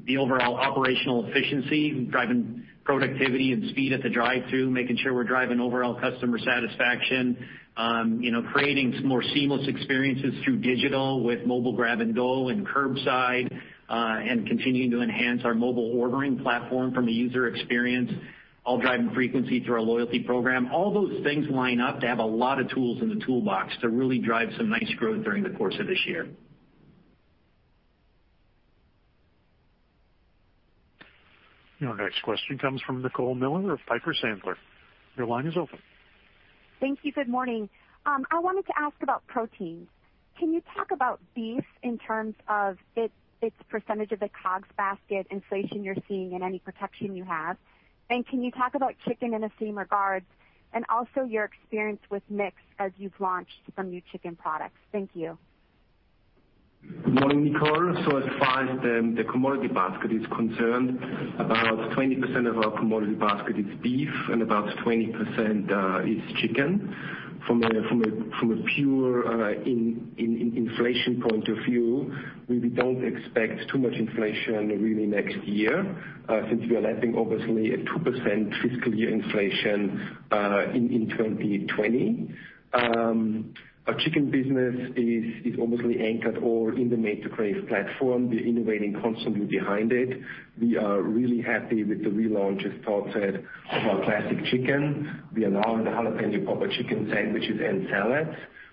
the overall operational efficiency, driving productivity and speed at the drive-thru, making sure we're driving overall customer satisfaction, creating some more seamless experiences through digital with mobile grab and go and curbside, and continuing to enhance our mobile ordering platform from a user experience, all driving frequency through our loyalty program. All those things line up to have a lot of tools in the toolbox to really drive some nice growth during the course of this year. Your next question comes from Nicole Miller of Piper Sandler. Your line is open. Thank you. Good morning. I wanted to ask about protein. Can you talk about beef in terms of its percentage of the COGS basket inflation you're seeing and any protection you have? Can you talk about chicken in the same regard, and also your experience with mix as you've launched some new chicken products? Thank you. Good morning, Nicole. As far as the commodity basket is concerned, about 20% of our commodity basket is beef and about 20% is chicken. From a pure inflation point of view, we don't expect too much inflation really next year, since we are lapping obviously a 2% fiscal year inflation in 2020. Our chicken business is obviously anchored all in the Made to Crave platform. We're innovating constantly behind it. We are really happy with the relaunch, as Todd said, of our classic chicken. We allow the Jalapeño Popper Chicken Sandwiches and salads.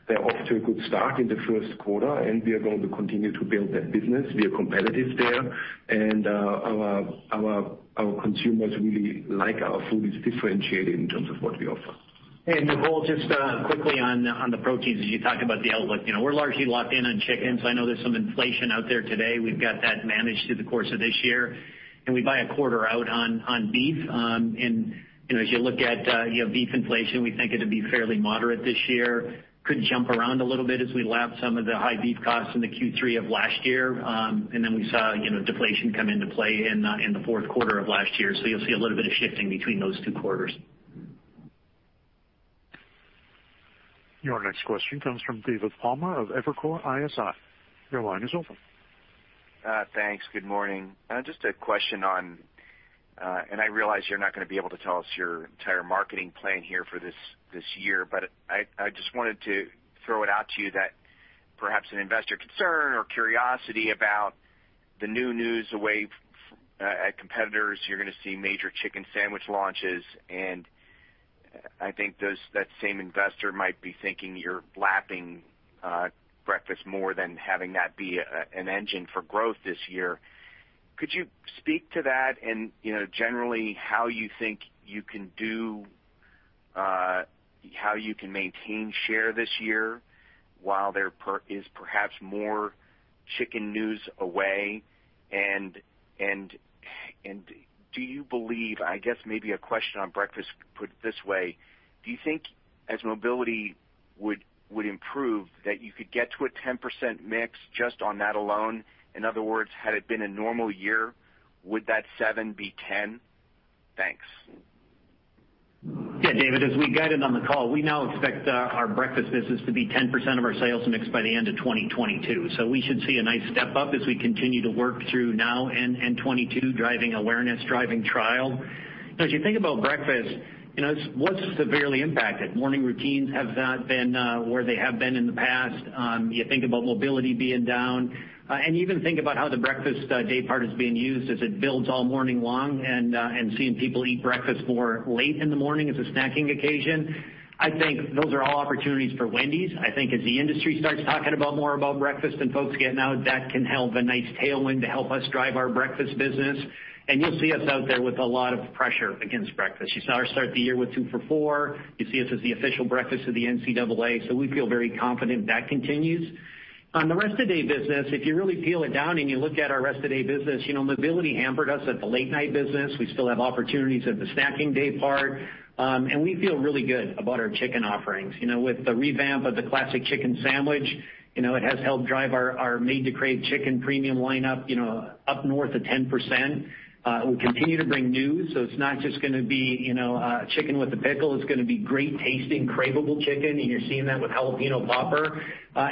They're off to a good start in the Q1, and we are going to continue to build that business. We are competitive there, and our consumers really like our food. It's differentiated in terms of what we offer. Nicole, just quickly on the proteins, as you talk about the outlook. We're largely locked in on chicken, I know there's some inflation out there today. We've got that managed through the course of this year, we buy a quarter out on beef. As you look at beef inflation, we think it'll be fairly moderate this year. Could jump around a little bit as we lap some of the high beef costs in the Q3 of last year. Then we saw deflation come into play in the Q4 of last year. You'll see a little bit of shifting between those two quarters. Your next question comes from David Palmer of Evercore ISI. Your line is open. Thanks. Good morning. Just a question on. I realize you're not going to be able to tell us your entire marketing plan here for this year, but I just wanted to throw it out to you that perhaps an investor concern or curiosity about the new news away at competitors, you're going to see major chicken sandwich launches, and I think that same investor might be thinking you're lapping breakfast more than having that be an engine for growth this year. Could you speak to that and generally how you think you can maintain share this year while there is perhaps more chicken news away? Do you believe, I guess maybe a question on breakfast put this way, do you think as mobility would improve, that you could get to a 10% mix just on that alone? In other words, had it been a normal year, would that seven be 10? Thanks. David, as we guided on the call, we now expect our breakfast business to be 10% of our sales mix by the end of 2022. We should see a nice step up as we continue to work through now and 2022, driving awareness, driving trial. As you think about breakfast, it was severely impacted. Morning routines have not been where they have been in the past. You think about mobility being down, and even think about how the breakfast day part is being used as it builds all morning long and seeing people eat breakfast more late in the morning as a snacking occasion. I think those are all opportunities for Wendy's. I think as the industry starts talking more about breakfast, then folks getting out of debt can help a nice tailwind to help us drive our breakfast business, and you'll see us out there with a lot of pressure against breakfast. You saw us start the year with 2 for $4. You see us as the official breakfast of the NCAA, so we feel very confident that continues. On the rest of day business, if you really peel it down and you look at our rest of day business, mobility hampered us at the late-night business. We still have opportunities at the snacking day part. We feel really good about our chicken offerings. With the revamp of the classic chicken sandwich, it has helped drive our Made to Crave chicken premium lineup up north of 10%. We continue to bring news. It's not just going to be a chicken with a pickle. It's going to be great tasting, craveable chicken. You're seeing that with Jalapeño Popper.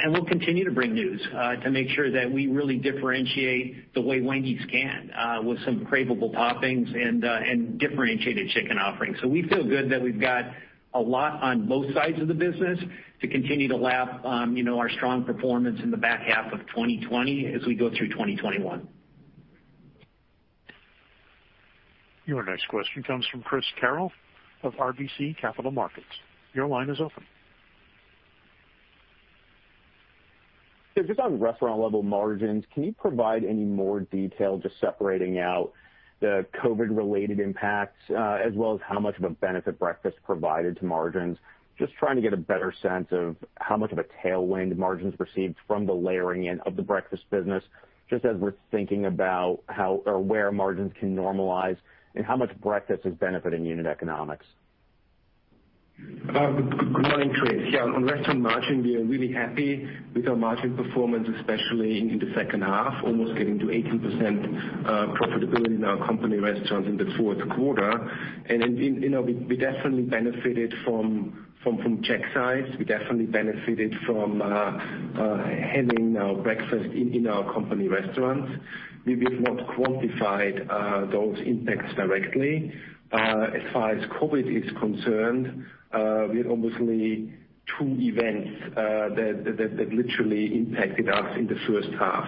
We'll continue to bring news to make sure that we really differentiate the way Wendy's can with some craveable toppings and differentiated chicken offerings. We feel good that we've got a lot on both sides of the business to continue to lap our strong performance in the back half of 2020 as we go through 2021. Your next question comes from Chris Carril of RBC Capital Markets. Your line is open. Just on restaurant level margins, can you provide any more detail just separating out the COVID related impacts, as well as how much of a benefit breakfast provided to margins? Just trying to get a better sense of how much of a tailwind margins received from the layering in of the breakfast business, just as we're thinking about how or where margins can normalize and how much breakfast is benefiting unit economics. Good morning, Chris. On restaurant margin, we are really happy with our margin performance, especially in the second half, almost getting to 18% profitability in our company restaurants in the Q4. We definitely benefited from check size. We definitely benefited from having our breakfast in our company restaurants. We did not quantify those impacts directly. As far as COVID is concerned, we had obviously two events that literally impacted us in the first half.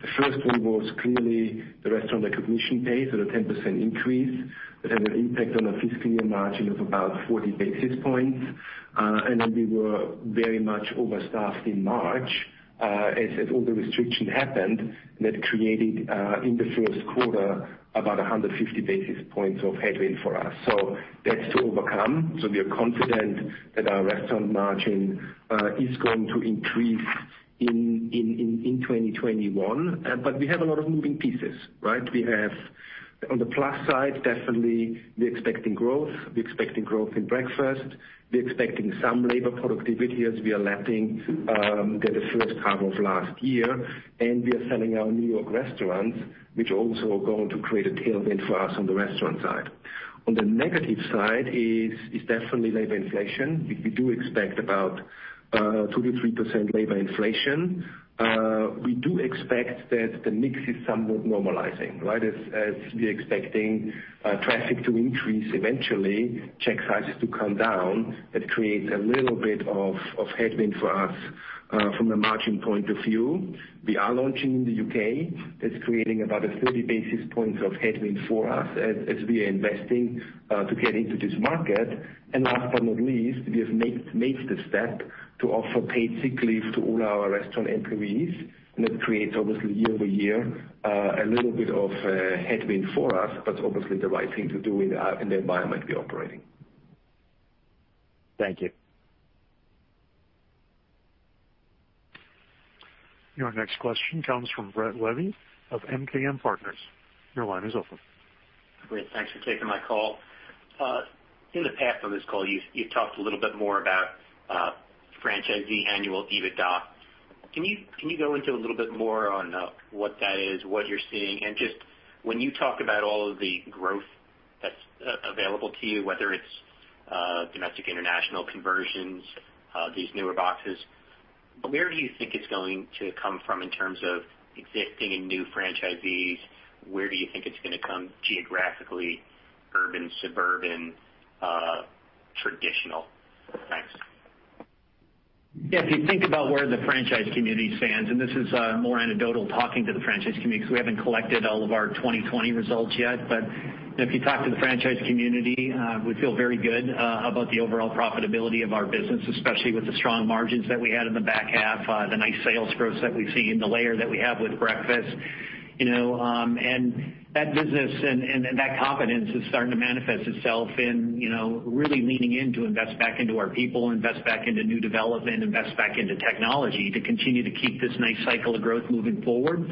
The first one was clearly the restaurant recognition pay, so the 10% increase that had an impact on our fiscal year margin of about 40 basis points. We were very much overstaffed in March as all the restrictions happened that created, in the Q1, about 150 basis points of headwind for us. That's to overcome. We are confident that our restaurant margin is going to increase in 2021. We have a lot of moving pieces, right? We have, on the plus side, definitely we are expecting growth. We are expecting growth in breakfast. We are expecting some labor productivity as we are lapping the first half of last year, and we are selling our New York restaurants, which also are going to create a tailwind for us on the restaurant side. On the negative side is definitely labor inflation. We do expect about 2%-3% labor inflation. We do expect that the mix is somewhat normalizing, right? As we are expecting traffic to increase eventually, check sizes to come down, that creates a little bit of headwind for us from a margin point of view. We are launching in the U.K. That's creating about a 30 basis points of headwind for us as we are investing to get into this market. Last but not least, we have made the step to offer paid sick leave to all our restaurant employees, and that creates, obviously, year-over-year, a little bit of a headwind for us, but obviously the right thing to do in the environment we operate in. Thank you. Your next question comes from Brett Levy of MKM Partners. Great. Thanks for taking my call. In the path of this call, you talked a little bit more about franchisee annual EBITDA. Can you go into a little bit more on what that is, what you're seeing, and just when you talk about all of the growth that's available to you, whether it's domestic international conversions, these newer boxes, where do you think it's going to come from in terms of existing and new franchisees? Where do you think it's going to come geographically, urban, suburban, traditional? Thanks. Yeah. If you think about where the franchise community stands, this is more anecdotal talking to the franchise community because we haven't collected all of our 2020 results yet. If you talk to the franchise community, we feel very good about the overall profitability of our business, especially with the strong margins that we had in the back half, the nice sales growth that we've seen, the layer that we have with breakfast. That business and that confidence is starting to manifest itself in really leaning in to invest back into our people, invest back into new development, invest back into technology to continue to keep this nice cycle of growth moving forward.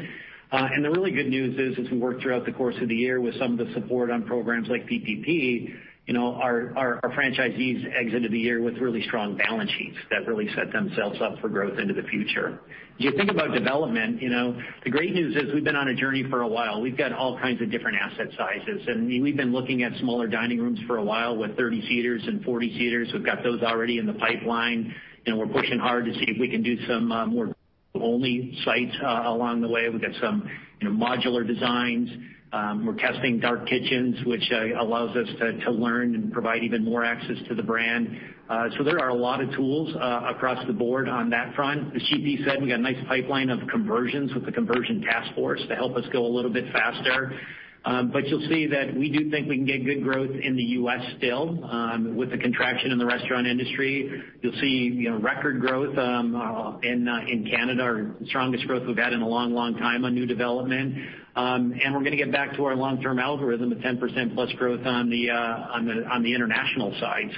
The really good news is, as we worked throughout the course of the year with some of the support on programs like PPP, our franchisees exited the year with really strong balance sheets that really set themselves up for growth into the future. As you think about development, the great news is we've been on a journey for a while. We've got all kinds of different asset sizes, and we've been looking at smaller dining rooms for a while with 30-seaters and 40-seaters. We've got those already in the pipeline, and we're pushing hard to see if we can do some more only sites along the way. We've got some modular designs. We're testing dark kitchens, which allows us to learn and provide even more access to the brand. There are a lot of tools across the board on that front. As GP said, we got a nice pipeline of conversions with the conversion task force to help us go a little bit faster. You'll see that we do think we can get good growth in the U.S. still. With the contraction in the restaurant industry, you'll see record growth in Canada, our strongest growth we've had in a long time on new development. We're going to get back to our long-term algorithm of 10%+ growth on the international side.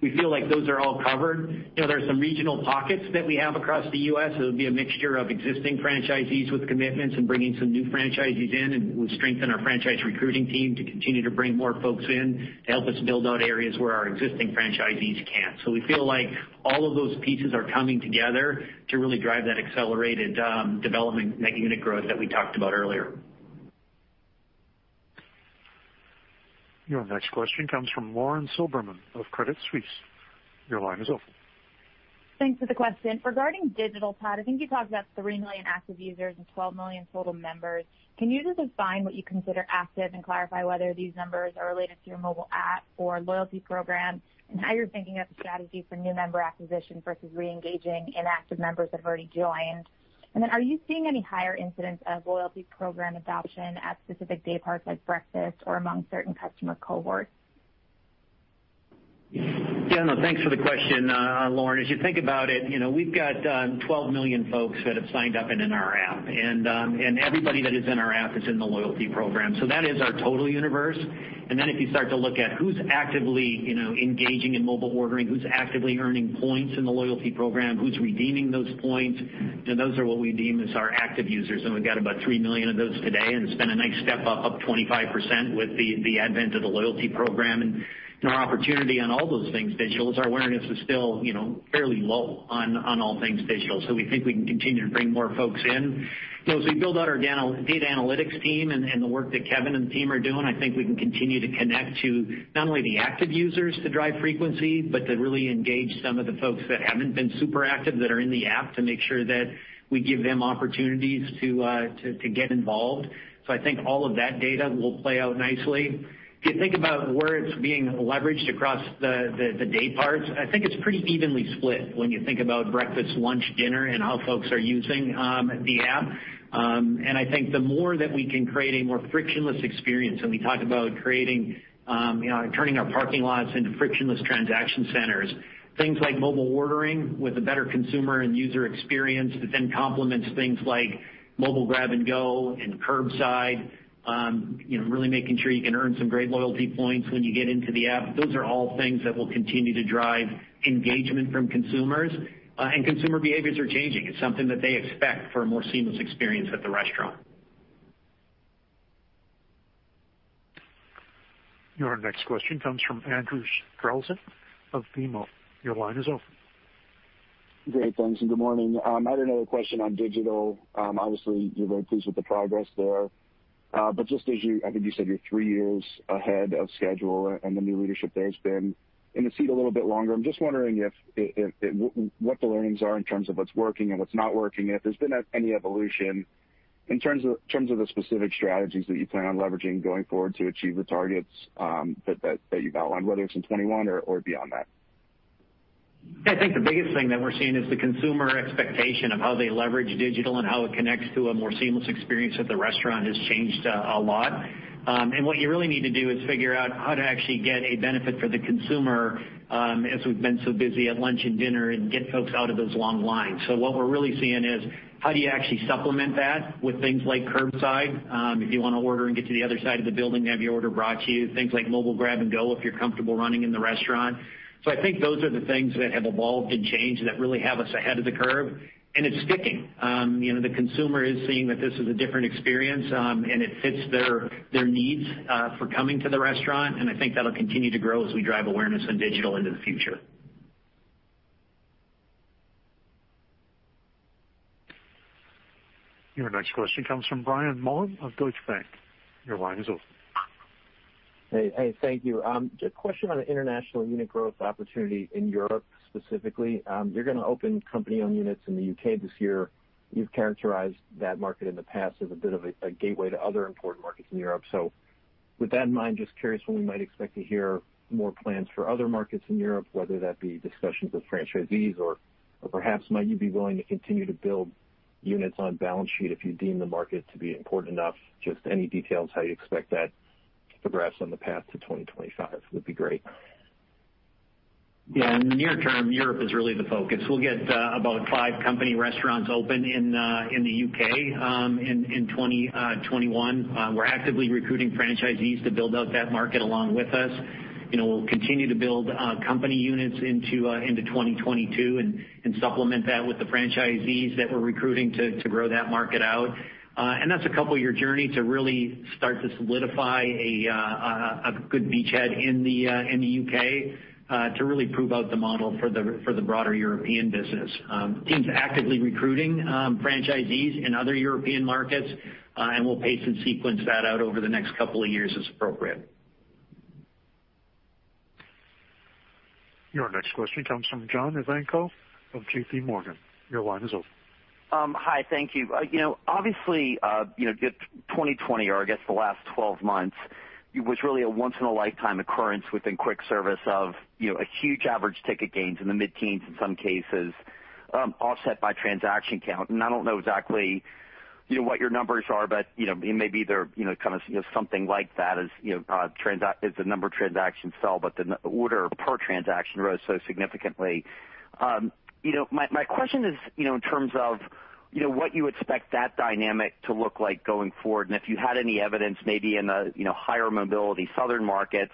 We feel like those are all covered. There are some regional pockets that we have across the U.S., so it'll be a mixture of existing franchisees with commitments and bringing some new franchisees in, and we've strengthened our franchise recruiting team to continue to bring more folks in to help us build out areas where our existing franchisees can't. We feel like all of those pieces are coming together to really drive that accelerated development net unit growth that we talked about earlier. Your next question comes from Lauren Silberman of Credit Suisse. Your line is open. Thanks for the question. Regarding digital, Todd, I think you talked about 3 million active users and 12 million total members. Can you just define what you consider active and clarify whether these numbers are related to your mobile app or loyalty program, and how you're thinking of the strategy for new member acquisition versus re-engaging inactive members that have already joined? Are you seeing any higher incidence of loyalty program adoption at specific day parts like breakfast or among certain customer cohorts? Yeah, no. Thanks for the question, Lauren. As you think about it, we've got 12 million folks that have signed up in our app. Everybody that is in our app is in the loyalty program. That is our total universe. If you start to look at who's actively engaging in mobile ordering, who's actively earning points in the loyalty program, who's redeeming those points, then those are what we deem as our active users. We've got about 3 million of those today. It's been a nice step up of 25% with the advent of the loyalty program and our opportunity on all those things digital. Our awareness is still fairly low on all things digital. We think we can continue to bring more folks in. As we build out our data analytics team and the work that Kevin and the team are doing, I think we can continue to connect to not only the active users to drive frequency, but to really engage some of the folks that haven't been super active that are in the app to make sure that we give them opportunities to get involved. I think all of that data will play out nicely. If you think about where it's being leveraged across the day parts, I think it's pretty evenly split when you think about breakfast, lunch, dinner, and how folks are using the app. I think the more that we can create a more frictionless experience, we talk about turning our parking lots into frictionless transaction centers, things like mobile ordering with a better consumer and user experience that then complements things like mobile grab and go and curbside, really making sure you can earn some great loyalty points when you get into the app. Those are all things that will continue to drive engagement from consumers. Consumer behaviors are changing. It's something that they expect for a more seamless experience at the restaurant. Your next question comes from Andrew Strelzik of BMO. Your line is open. Great. Thanks, good morning. I had another question on digital. Obviously, you're very pleased with the progress there. Just as you, I think you said you're three years ahead of schedule, and the new leadership there has been in the seat a little bit longer. I'm just wondering what the learnings are in terms of what's working and what's not working, if there's been any evolution in terms of the specific strategies that you plan on leveraging going forward to achieve the targets that you've outlined, whether it's in 2021 or beyond that. I think the biggest thing that we're seeing is the consumer expectation of how they leverage digital and how it connects to a more seamless experience at the restaurant has changed a lot. What you really need to do is figure out how to actually get a benefit for the consumer, as we've been so busy at lunch and dinner, and get folks out of those long lines. What we're really seeing is how do you actually supplement that with things like curbside? If you want to order and get to the other side of the building to have your order brought to you, things like mobile grab and go, if you're comfortable running in the restaurant. I think those are the things that have evolved and changed that really have us ahead of the curve, and it's sticking. The consumer is seeing that this is a different experience. It fits their needs for coming to the restaurant. I think that'll continue to grow as we drive awareness in digital into the future. Your next question comes from Brian Mullan of Deutsche Bank. Your line is open. Hey. Thank you. Just a question on the international unit growth opportunity in Europe specifically. You're going to open company-owned units in the U.K. this year. You've characterized that market in the past as a bit of a gateway to other important markets in Europe. With that in mind, just curious when we might expect to hear more plans for other markets in Europe, whether that be discussions with franchisees or perhaps might you be willing to continue to build units on balance sheet if you deem the market to be important enough? Just any details how you expect that to progress on the path to 2025 would be great. Yeah, in the near term, Europe is really the focus. We'll get about five company restaurants open in the U.K. in 2021. We're actively recruiting franchisees to build out that market along with us. We'll continue to build company units into 2022 and supplement that with the franchisees that we're recruiting to grow that market out. That's a couple of year journey to really start to solidify a good beachhead in the U.K. to really prove out the model for the broader European business. The team's actively recruiting franchisees in other European markets, and we'll pace and sequence that out over the next couple of years as appropriate. Your next question comes from John Ivankoe of JPMorgan. Your line is open. Hi, thank you. Obviously, 2020, or I guess the last 12 months, was really a once in a lifetime occurrence within quick service of a huge average ticket gains in the mid-teens in some cases, offset by transaction count. I don't know exactly what your numbers are, but maybe they're something like that, as the number of transactions fell, but the order per transaction rose so significantly. My question is in terms of what you expect that dynamic to look like going forward, and if you had any evidence, maybe in the higher mobility southern markets,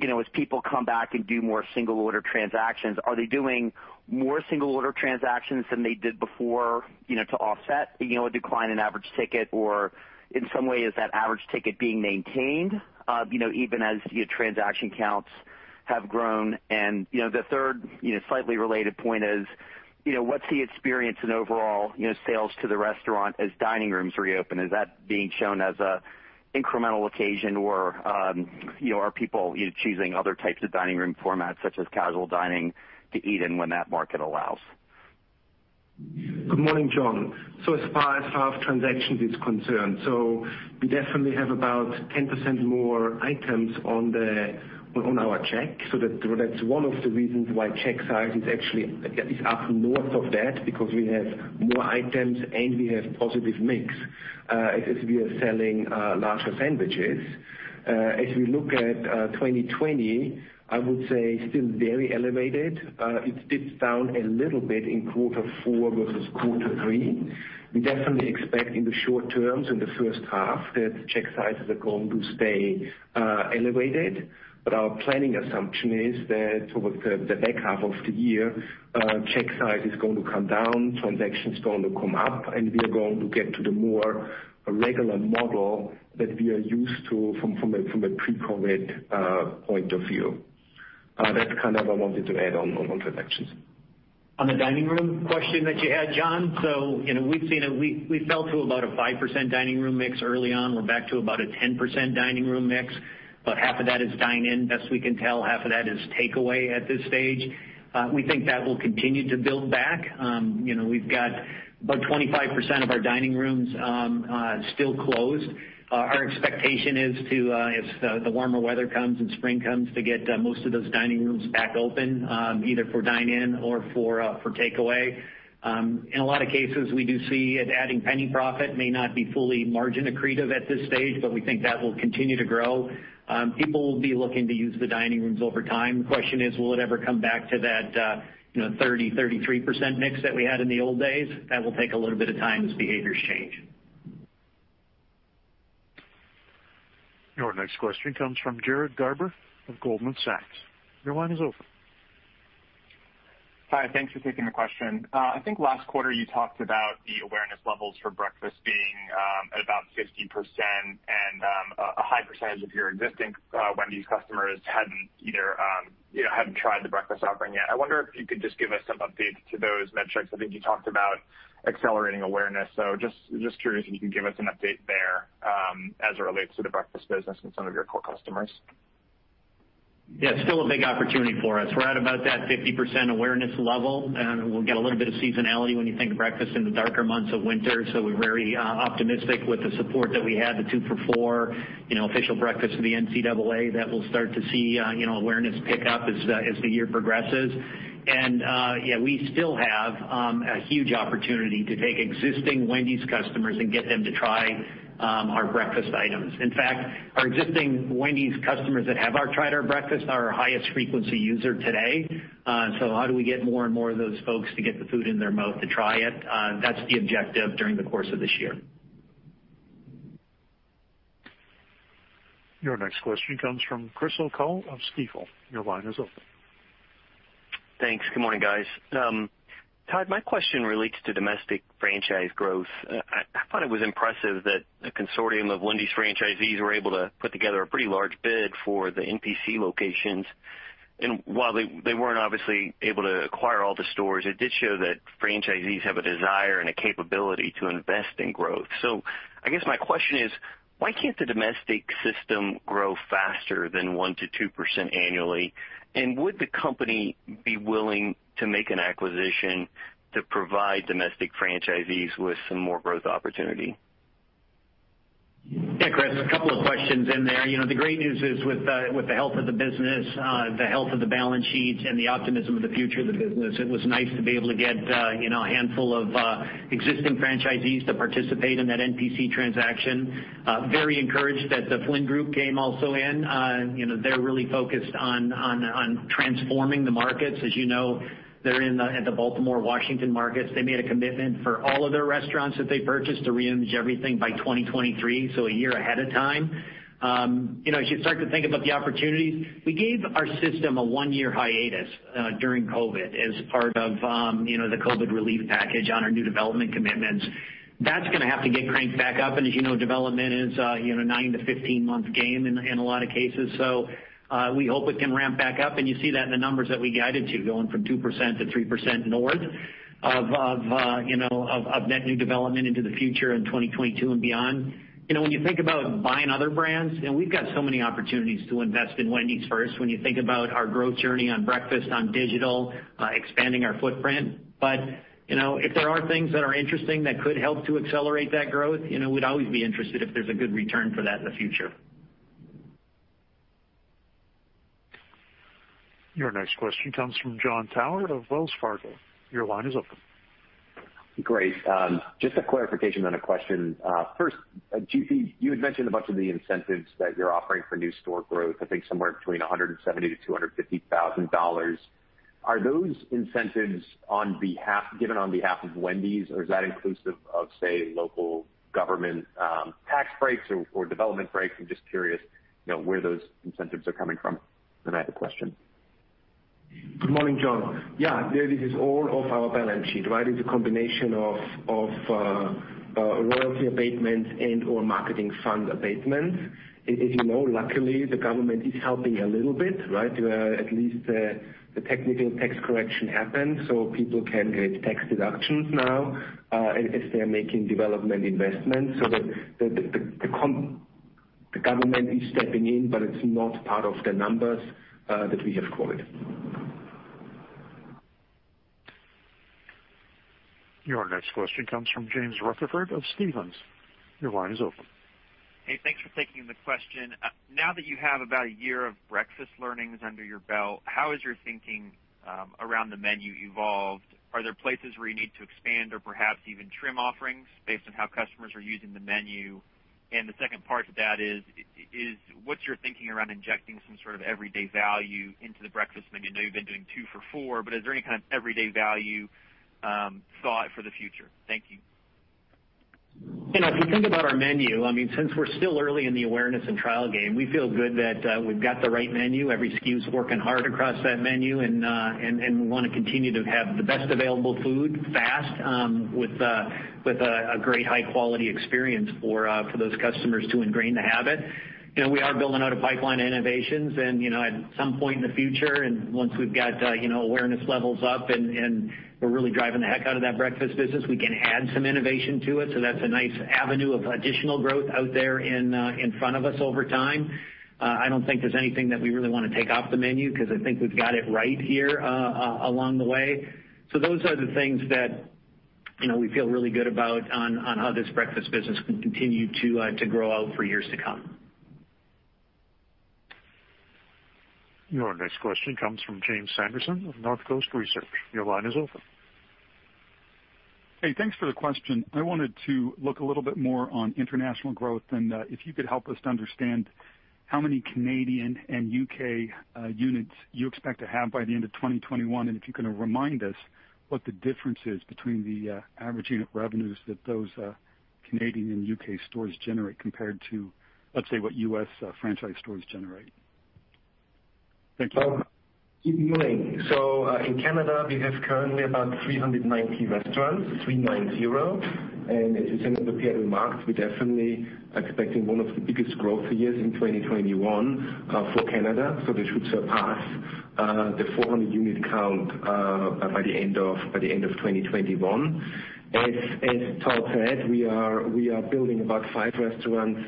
as people come back and do more single order transactions, are they doing more single order transactions than they did before to offset a decline in average ticket? In some way, is that average ticket being maintained even as your transaction counts have grown? The third slightly related point is, what's the experience in overall sales to the restaurant as dining rooms reopen? Is that being shown as an incremental occasion or are people choosing other types of dining room formats, such as casual dining, to eat in when that market allows? Good morning, John. As far as half transaction is concerned, so we definitely have about 10% more items on our check. That's one of the reasons why check size is actually up north of that, because we have more items and we have positive mix as we are selling larger sandwiches. As we look at 2020, I would say still very elevated. It dips down a little bit in Q4 versus Q3. We definitely expect in the short term, so in the first half, that check sizes are going to stay elevated. Our planning assumption is that towards the back half of the year, check size is going to come down, transactions going to come up, and we are going to get to the more regular model that we are used to from a pre-COVID point of view. That's kind of what I wanted to add on transactions. On the dining room question that you had, John, we fell to about a 5% dining room mix early on. We're back to about a 10% dining room mix, half of that is dine-in. Best we can tell, half of that is takeaway at this stage. We think that will continue to build back. We've got about 25% of our dining rooms still closed. Our expectation is to, as the warmer weather comes and spring comes, to get most of those dining rooms back open, either for dine-in or for takeaway. In a lot of cases, we do see it adding penny profit, may not be fully margin accretive at this stage, we think that will continue to grow. People will be looking to use the dining rooms over time. The question is, will it ever come back to that 30%-33% mix that we had in the old days? That will take a little bit of time as behaviors change. Your next question comes from Jared Garber of Goldman Sachs. Your line is open. Hi, thanks for taking the question. I think last quarter you talked about the awareness levels for breakfast being at about 50% and a high percentage of your existing Wendy's customers hadn't tried the breakfast offering yet. I wonder if you could just give us some updates to those metrics. I think you talked about accelerating awareness. Just curious if you can give us an update there as it relates to the breakfast business and some of your core customers. It's still a big opportunity for us. We're at about that 50% awareness level, and we'll get a little bit of seasonality when you think of breakfast in the darker months of winter. We're very optimistic with the support that we have, the 2 for $4, official breakfast of the NCAA, that we'll start to see awareness pick up as the year progresses. We still have a huge opportunity to take existing Wendy's customers and get them to try our breakfast items. In fact, our existing Wendy's customers that have tried our breakfast are our highest frequency user today. How do we get more and more of those folks to get the food in their mouth to try it? That's the objective during the course of this year. Your next question comes from Chris O'Cull of Stifel. Your line is open. Thanks. Good morning, guys. Todd, my question relates to domestic franchise growth. I thought it was impressive that a consortium of Wendy's franchisees were able to put together a pretty large bid for the NPC locations. While they weren't obviously able to acquire all the stores, it did show that franchisees have a desire and a capability to invest in growth. I guess my question is, why can't the domestic system grow faster than 1%-2% annually? Would the company be willing to make an acquisition to provide domestic franchisees with some more growth opportunity? Chris, a couple of questions in there. The great news is with the health of the business, the health of the balance sheets, and the optimism of the future of the business, it was nice to be able to get a handful of existing franchisees to participate in that NPC transaction. Very encouraged that The Flynn Group came also in. They're really focused on transforming the markets. As you know, they're in the Baltimore-Washington markets. They made a commitment for all of their restaurants that they purchased to re-image everything by 2023, so a year ahead of time. You start to think about the opportunities, we gave our system a one-year hiatus during COVID as part of the COVID relief package on our new development commitments. That's going to have to get cranked back up, and as you know, development is a nine to 15 month game in a lot of cases. We hope it can ramp back up, and you see that in the numbers that we guided to, going from 2%-3% north of net new development into the future in 2022 and beyond. When you think about buying other brands, we've got so many opportunities to invest in Wendy's first. When you think about our growth journey on breakfast, on digital, expanding our footprint. If there are things that are interesting that could help to accelerate that growth, we'd always be interested if there's a good return for that in the future. Your next question comes from Jon Tower of Wells Fargo. Your line is open. Great. Just a clarification, then a question. First, GP, you had mentioned a bunch of the incentives that you're offering for new store growth, I think somewhere between $170,000-$250,000. Are those incentives given on behalf of Wendy's, or is that inclusive of, say, local government tax breaks or development breaks? I'm just curious where those incentives are coming from. I have a question. Good morning, Jon. Yeah. This is all off our balance sheet, right? It's a combination of royalty abatements and/or marketing fund abatements. As you know, luckily, the government is helping a little bit, right? At least the technical tax correction happened, so people can get tax deductions now if they're making development investments, so the government is stepping in, but it's not part of the numbers that we have quoted. Your next question comes from James Rutherford of Stephens. Your line is open. Hey, thanks for taking the question. Now that you have about a year of breakfast learnings under your belt, how has your thinking around the menu evolved? Are there places where you need to expand or perhaps even trim offerings based on how customers are using the menu? The second part to that is, what's your thinking around injecting some sort of everyday value into the breakfast menu? I know you've been doing 2 for $4, but is there any kind of everyday value thought for the future? Thank you. If you think about our menu, since we're still early in the awareness and trial game, we feel good that we've got the right menu. Every SKUs working hard across that menu, and we want to continue to have the best available food, fast, with a great high-quality experience for those customers to ingrain the habit. We are building out a pipeline of innovations, and at some point in the future, and once we've got awareness levels up and we're really driving the heck out of that breakfast business, we can add some innovation to it. That's a nice avenue of additional growth out there in front of us over time. I don't think there's anything that we really want to take off the menu, because I think we've got it right here along the way. Those are the things that we feel really good about on how this breakfast business can continue to grow out for years to come. Your next question comes from Jim Sanderson of Northcoast Research. Your line is open. Hey, thanks for the question. I wanted to look a little bit more on international growth, and if you could help us to understand how many Canadian and U.K. units you expect to have by the end of 2021, and if you can remind us what the difference is between the average unit revenues that those Canadian and U.K. stores generate compared to, let's say, what U.S. franchise stores generate. Thank you. In Canada, we have currently about 390 restaurants, three nine zero, and as you said in the prepared remarks, we're definitely expecting one of the biggest growth years in 2021 for Canada. We should surpass the 400 unit count by the end of 2021. As Todd said, we are building about five restaurants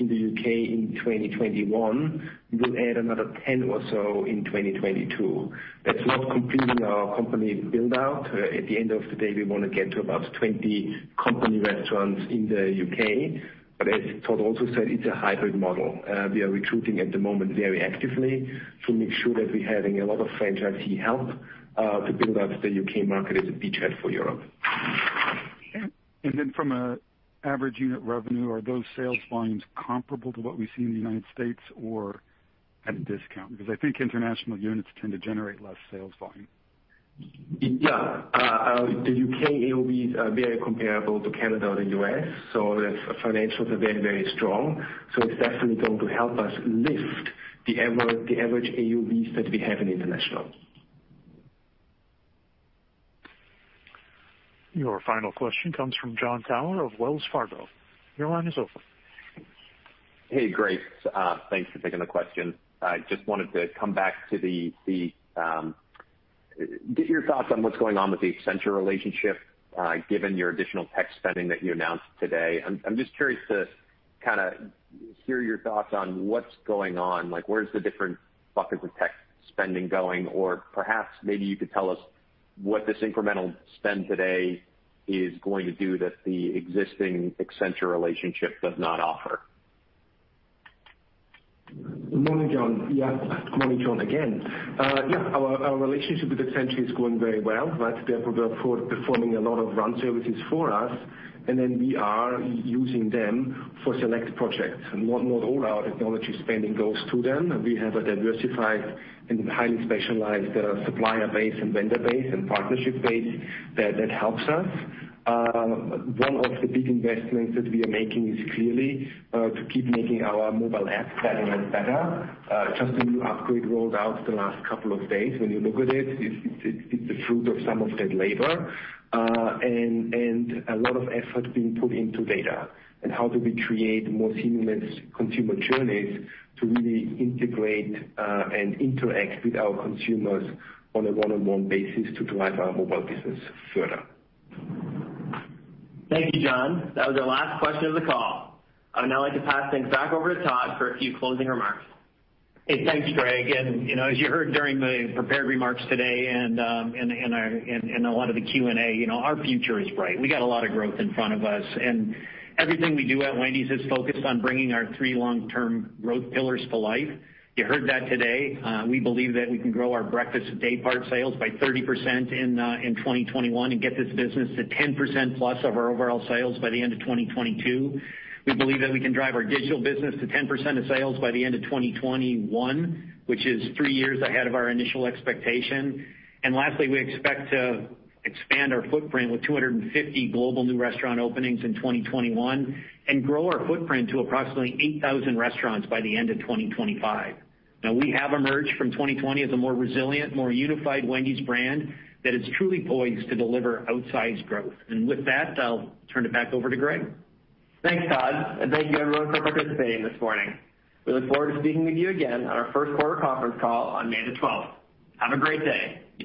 in the U.K. in 2021. We'll add another 10 or so in 2022. That's not completing our company build-out. At the end of the day, we want to get to about 20 company restaurants in the U.K. As Todd also said, it's a hybrid model. We are recruiting at the moment very actively to make sure that we're having a lot of franchisee help to build out the U.K. market as a beachhead for Europe. From an average unit revenue, are those sales volumes comparable to what we see in the U.S. or at a discount? Because I think international units tend to generate less sales volume. Yeah. The U.K. AUVs are very comparable to Canada or the U.S., the financials are very, very strong. It's definitely going to help us lift the average AUVs that we have in international. Your final question comes from Jon Tower of Wells Fargo. Your line is open. Hey, great. Thanks for taking the question. I just wanted to come back to get your thoughts on what's going on with the Accenture relationship, given your additional tech spending that you announced today. I'm just curious to hear your thoughts on what's going on. Where's the different buckets of tech spending going? Perhaps maybe you could tell us what this incremental spend today is going to do that the existing Accenture relationship does not offer? Morning, Jon. Yes. Morning, Jon, again. Yes, our relationship with Accenture is going very well. They are performing a lot of run services for us, and then we are using them for select projects. Not all our technology spending goes to them. We have a diversified and highly specialized supplier base and vendor base and partnership base that helps us. One of the big investments that we are making is clearly to keep making our mobile app better and better. Just a new upgrade rolled out the last couple of days. When you look at it's the fruit of some of that labor, and a lot of effort being put into data and how do we create more seamless consumer journeys to really integrate, and interact with our consumers on a one-on-one basis to drive our mobile business further. Thank you, Jon. That was our last question of the call. I would now like to pass things back over to Todd for a few closing remarks. Hey, thanks, Greg. As you heard during the prepared remarks today, in a lot of the Q&A, our future is bright. We got a lot of growth in front of us, and everything we do at Wendy's is focused on bringing our three long-term growth pillars to life. You heard that today. We believe that we can grow our breakfast daypart sales by 30% in 2021 and get this business to 10%+ of our overall sales by the end of 2022. We believe that we can drive our digital business to 10% of sales by the end of 2021, which is three years ahead of our initial expectation. Lastly, we expect to expand our footprint with 250 global new restaurant openings in 2021 and grow our footprint to approximately 8,000 restaurants by the end of 2025. Now, we have emerged from 2020 as a more resilient, more unified Wendy's brand that is truly poised to deliver outsized growth. With that, I'll turn it back over to Greg. Thanks, Todd, and thank you everyone for participating this morning. We look forward to speaking with you again on our Q1 conference call on May the 12th. Have a great day.